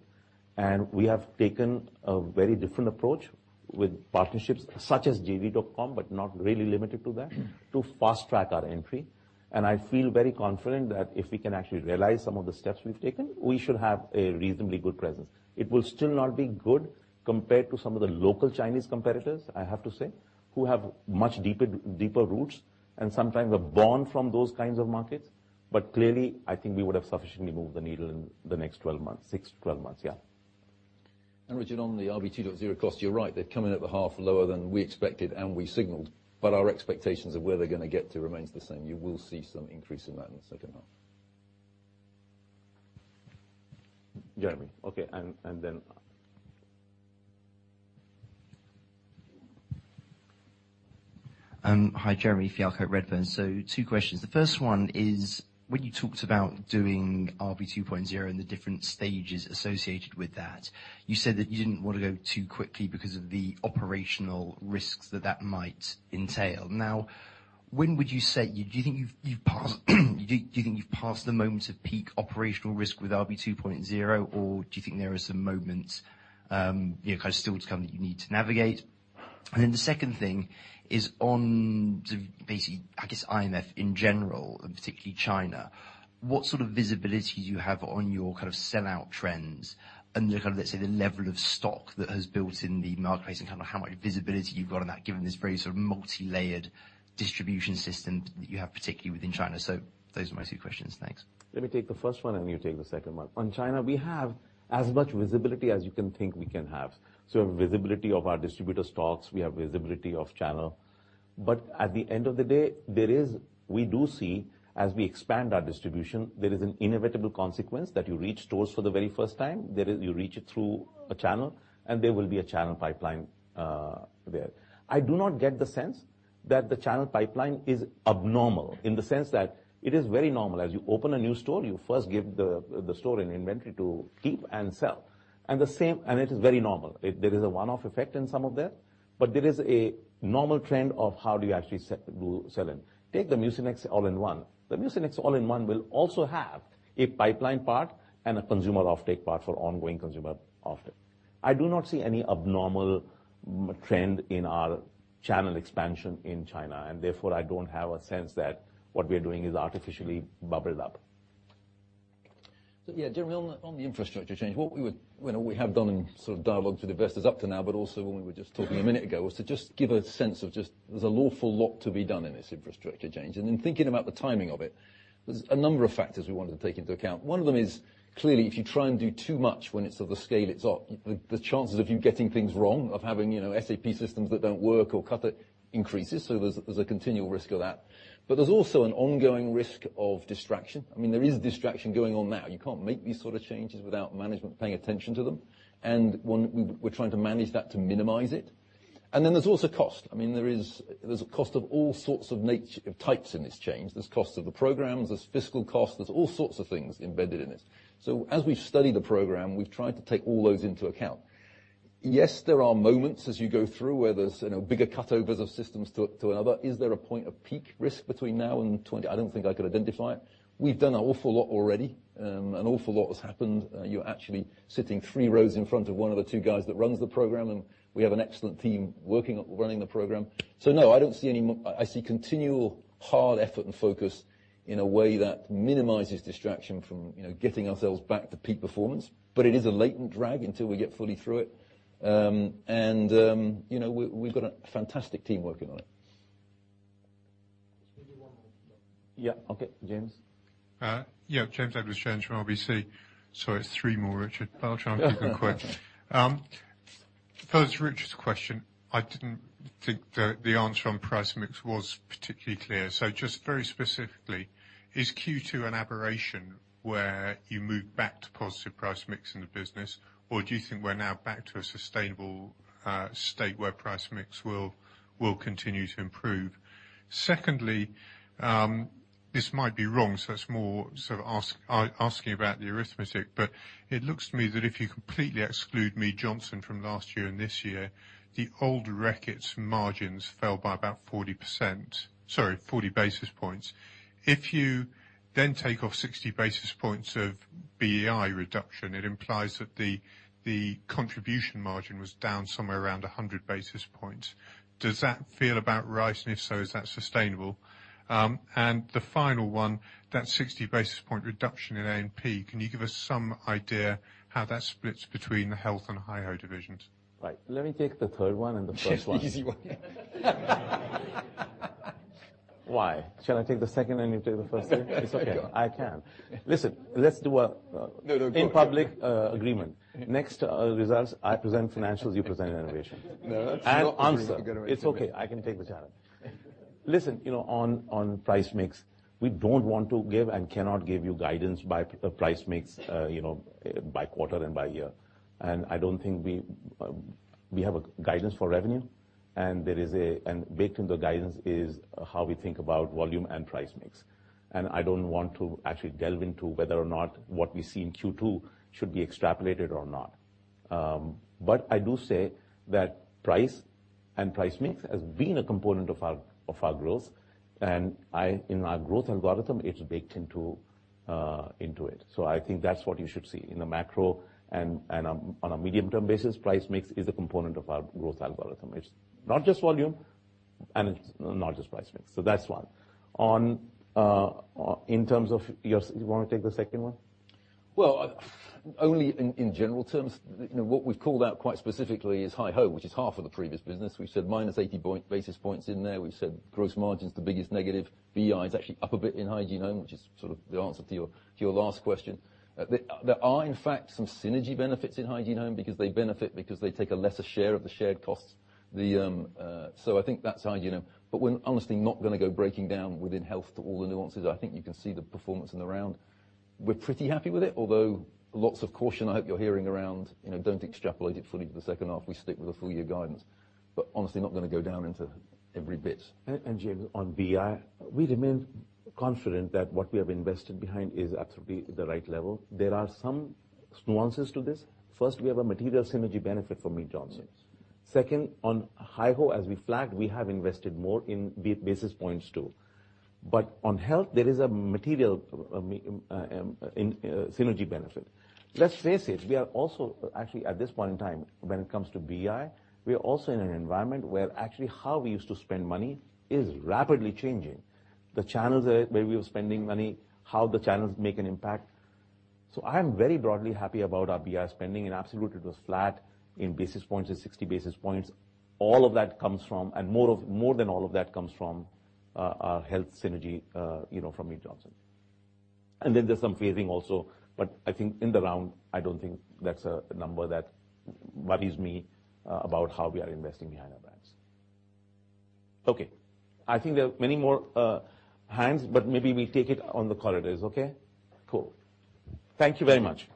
and we have taken a very different approach with partnerships such as JD.com, but not really limited to that, to fast track our entry. I feel very confident that if we can actually realize some of the steps we've taken, we should have a reasonably good presence. It will still not be good compared to some of the local Chinese competitors, I have to say, who have much deeper roots and sometimes are born from those kinds of markets. Clearly, I think we would have sufficiently moved the needle in the next 12 months. Six to 12 months. Richard, on the RB2.0 cost, you're right. They've come in at the half lower than we expected and we signaled, our expectations of where they're going to get to remains the same. You will see some increase in that in the second half. Jeremy. Okay. Hi, Jeremy Fialko, Redburn. Two questions. The first one is, when you talked about doing RB2.0 and the different stages associated with that, you said that you didn't want to go too quickly because of the operational risks that that might entail. When would you say, do you think you've passed the moment of peak operational risk with RB2.0, or do you think there are some moments kind of still to come that you need to navigate? The second thing is on sort of basically, I guess, IFCN in general, and particularly China, what sort of visibility do you have on your sell-out trends and the kind of, let's say, the level of stock that has built in the marketplace and kind of how much visibility you've got on that given this very sort of multilayered distribution system that you have, particularly within China? those are my two questions. Thanks. Let me take the first one, and you take the second one. On China, we have as much visibility as you can think we can have. Visibility of our distributor stocks, we have visibility of channel. At the end of the day, we do see, as we expand our distribution, there is an inevitable consequence that you reach stores for the very first time. You reach it through a channel, and there will be a channel pipeline there. I do not get the sense that the channel pipeline is abnormal in the sense that it is very normal. As you open a new store, you first give the store an inventory to keep and sell. It is very normal. There is a one-off effect in some of that, but there is a normal trend of how do you actually do selling. Take the Mucinex All-in-One. The Mucinex All-in-One will also have a pipeline part and a consumer offtake part for ongoing consumer offtake. I do not see any abnormal trend in our channel expansion in China, and therefore, I don't have a sense that what we are doing is artificially bubbled up. Yeah, Jeremy, on the infrastructure change, what we have done in sort of dialogue to the investors up to now, but also when we were just talking a minute ago, was to just give a sense of just there's an awful lot to be done in this infrastructure change. In thinking about the timing of it, there's a number of factors we wanted to take into account. One of them is, clearly, if you try and do too much when it's at the scale it's at, the chances of you getting things wrong, of having SAP systems that don't work or cut it, increases. There's a continual risk of that. There's also an ongoing risk of distraction. I mean, there is distraction going on now. You can't make these sort of changes without management paying attention to them. We're trying to manage that to minimize it. There's also cost. I mean, there's a cost of all sorts of nature of types in this change. There's costs of the programs, there's fiscal costs, there's all sorts of things embedded in it. As we've studied the program, we've tried to take all those into account. Yes, there are moments as you go through where there's bigger cutovers of systems to another. Is there a point of peak risk between now and 2020? I don't think I could identify it. We've done an awful lot already. An awful lot has happened. You're actually sitting three rows in front of one of the two guys that runs the program, and we have an excellent team working, running the program. No, I see continual hard effort and focus in a way that minimizes distraction from getting ourselves back to peak performance. It is a latent drag until we get fully through it. We've got a fantastic team working on it. Maybe one more. Okay, James. Yeah, James Edwardes Jones from RBC. Sorry, it's three more, Richard, I'll try and keep it quick. First, Richard's question. I didn't think the answer on price mix was particularly clear. Just very specifically, is Q2 an aberration where you move back to positive price mix in the business, or do you think we're now back to a sustainable state where price mix will continue to improve. Secondly, this might be wrong, it's more sort of asking about the arithmetic, it looks to me that if you completely exclude Mead Johnson from last year and this year, the old Reckitt's margins fell by about 40%. Sorry, 40 basis points. If you take off 60 basis points of BEI reduction, it implies that the contribution margin was down somewhere around 100 basis points. Does that feel about right? If so, is that sustainable? The final one, that 60 basis point reduction in A&P, can you give us some idea how that splits between the Health and HyHo divisions? Right. Let me take the third one and the first one. The easy one. Why? Shall I take the second and you take the first three? It's okay. I can. Listen, let's do. No, no. Go. In public agreement. Next results, I present financials, you present innovation. No, that's not a good agreement. Answer. It's okay. I can take the challenge. Listen, on price mix, we don't want to give and cannot give you guidance by price mix by quarter and by year. I don't think we have a guidance for revenue, and baked in the guidance is how we think about volume and price mix. I don't want to actually delve into whether or not what we see in Q2 should be extrapolated or not. I do say that price and price mix has been a component of our growth, and in our growth algorithm, it's baked into it. I think that's what you should see. In the macro and on a medium-term basis, price mix is a component of our growth algorithm. It's not just volume and it's not just price mix. That's one. You want to take the second one? Well, only in general terms. What we've called out quite specifically is HyHo, which is half of the previous business. We've said minus 80 basis points in there. We've said gross margin's the biggest negative. BEI is actually up a bit in Hygiene Home, which is sort of the answer to your last question. There are in fact some synergy benefits in Hygiene Home because they benefit because they take a lesser share of the shared costs. I think that's Hygiene Home. We're honestly not going to go breaking down within Health to all the nuances. I think you can see the performance in the round. We're pretty happy with it, although lots of caution I hope you're hearing around, don't extrapolate it fully to the second half. We stick with the full year guidance. Honestly, not going to go down into every bit. James, on BEI, we remain confident that what we have invested behind is absolutely the right level. There are some nuances to this. First, we have a material synergy benefit from Mead Johnson. Second, on HyHo, as we flagged, we have invested more in basis points too. On health, there is a material synergy benefit. Let's face it, we are also actually at this point in time, when it comes to BEI, we are also in an environment where actually how we used to spend money is rapidly changing. The channels where we were spending money, how the channels make an impact. I am very broadly happy about our BEI spending. In absolute, it was flat. In basis points, it's 60 basis points. All of that comes from, and more than all of that comes from our health synergy from Mead Johnson. There's some phasing also, but I think in the round, I don't think that's a number that worries me about how we are investing behind our brands. Okay. I think there are many more hands, but maybe we take it on the corridors, okay? Cool. Thank you very much.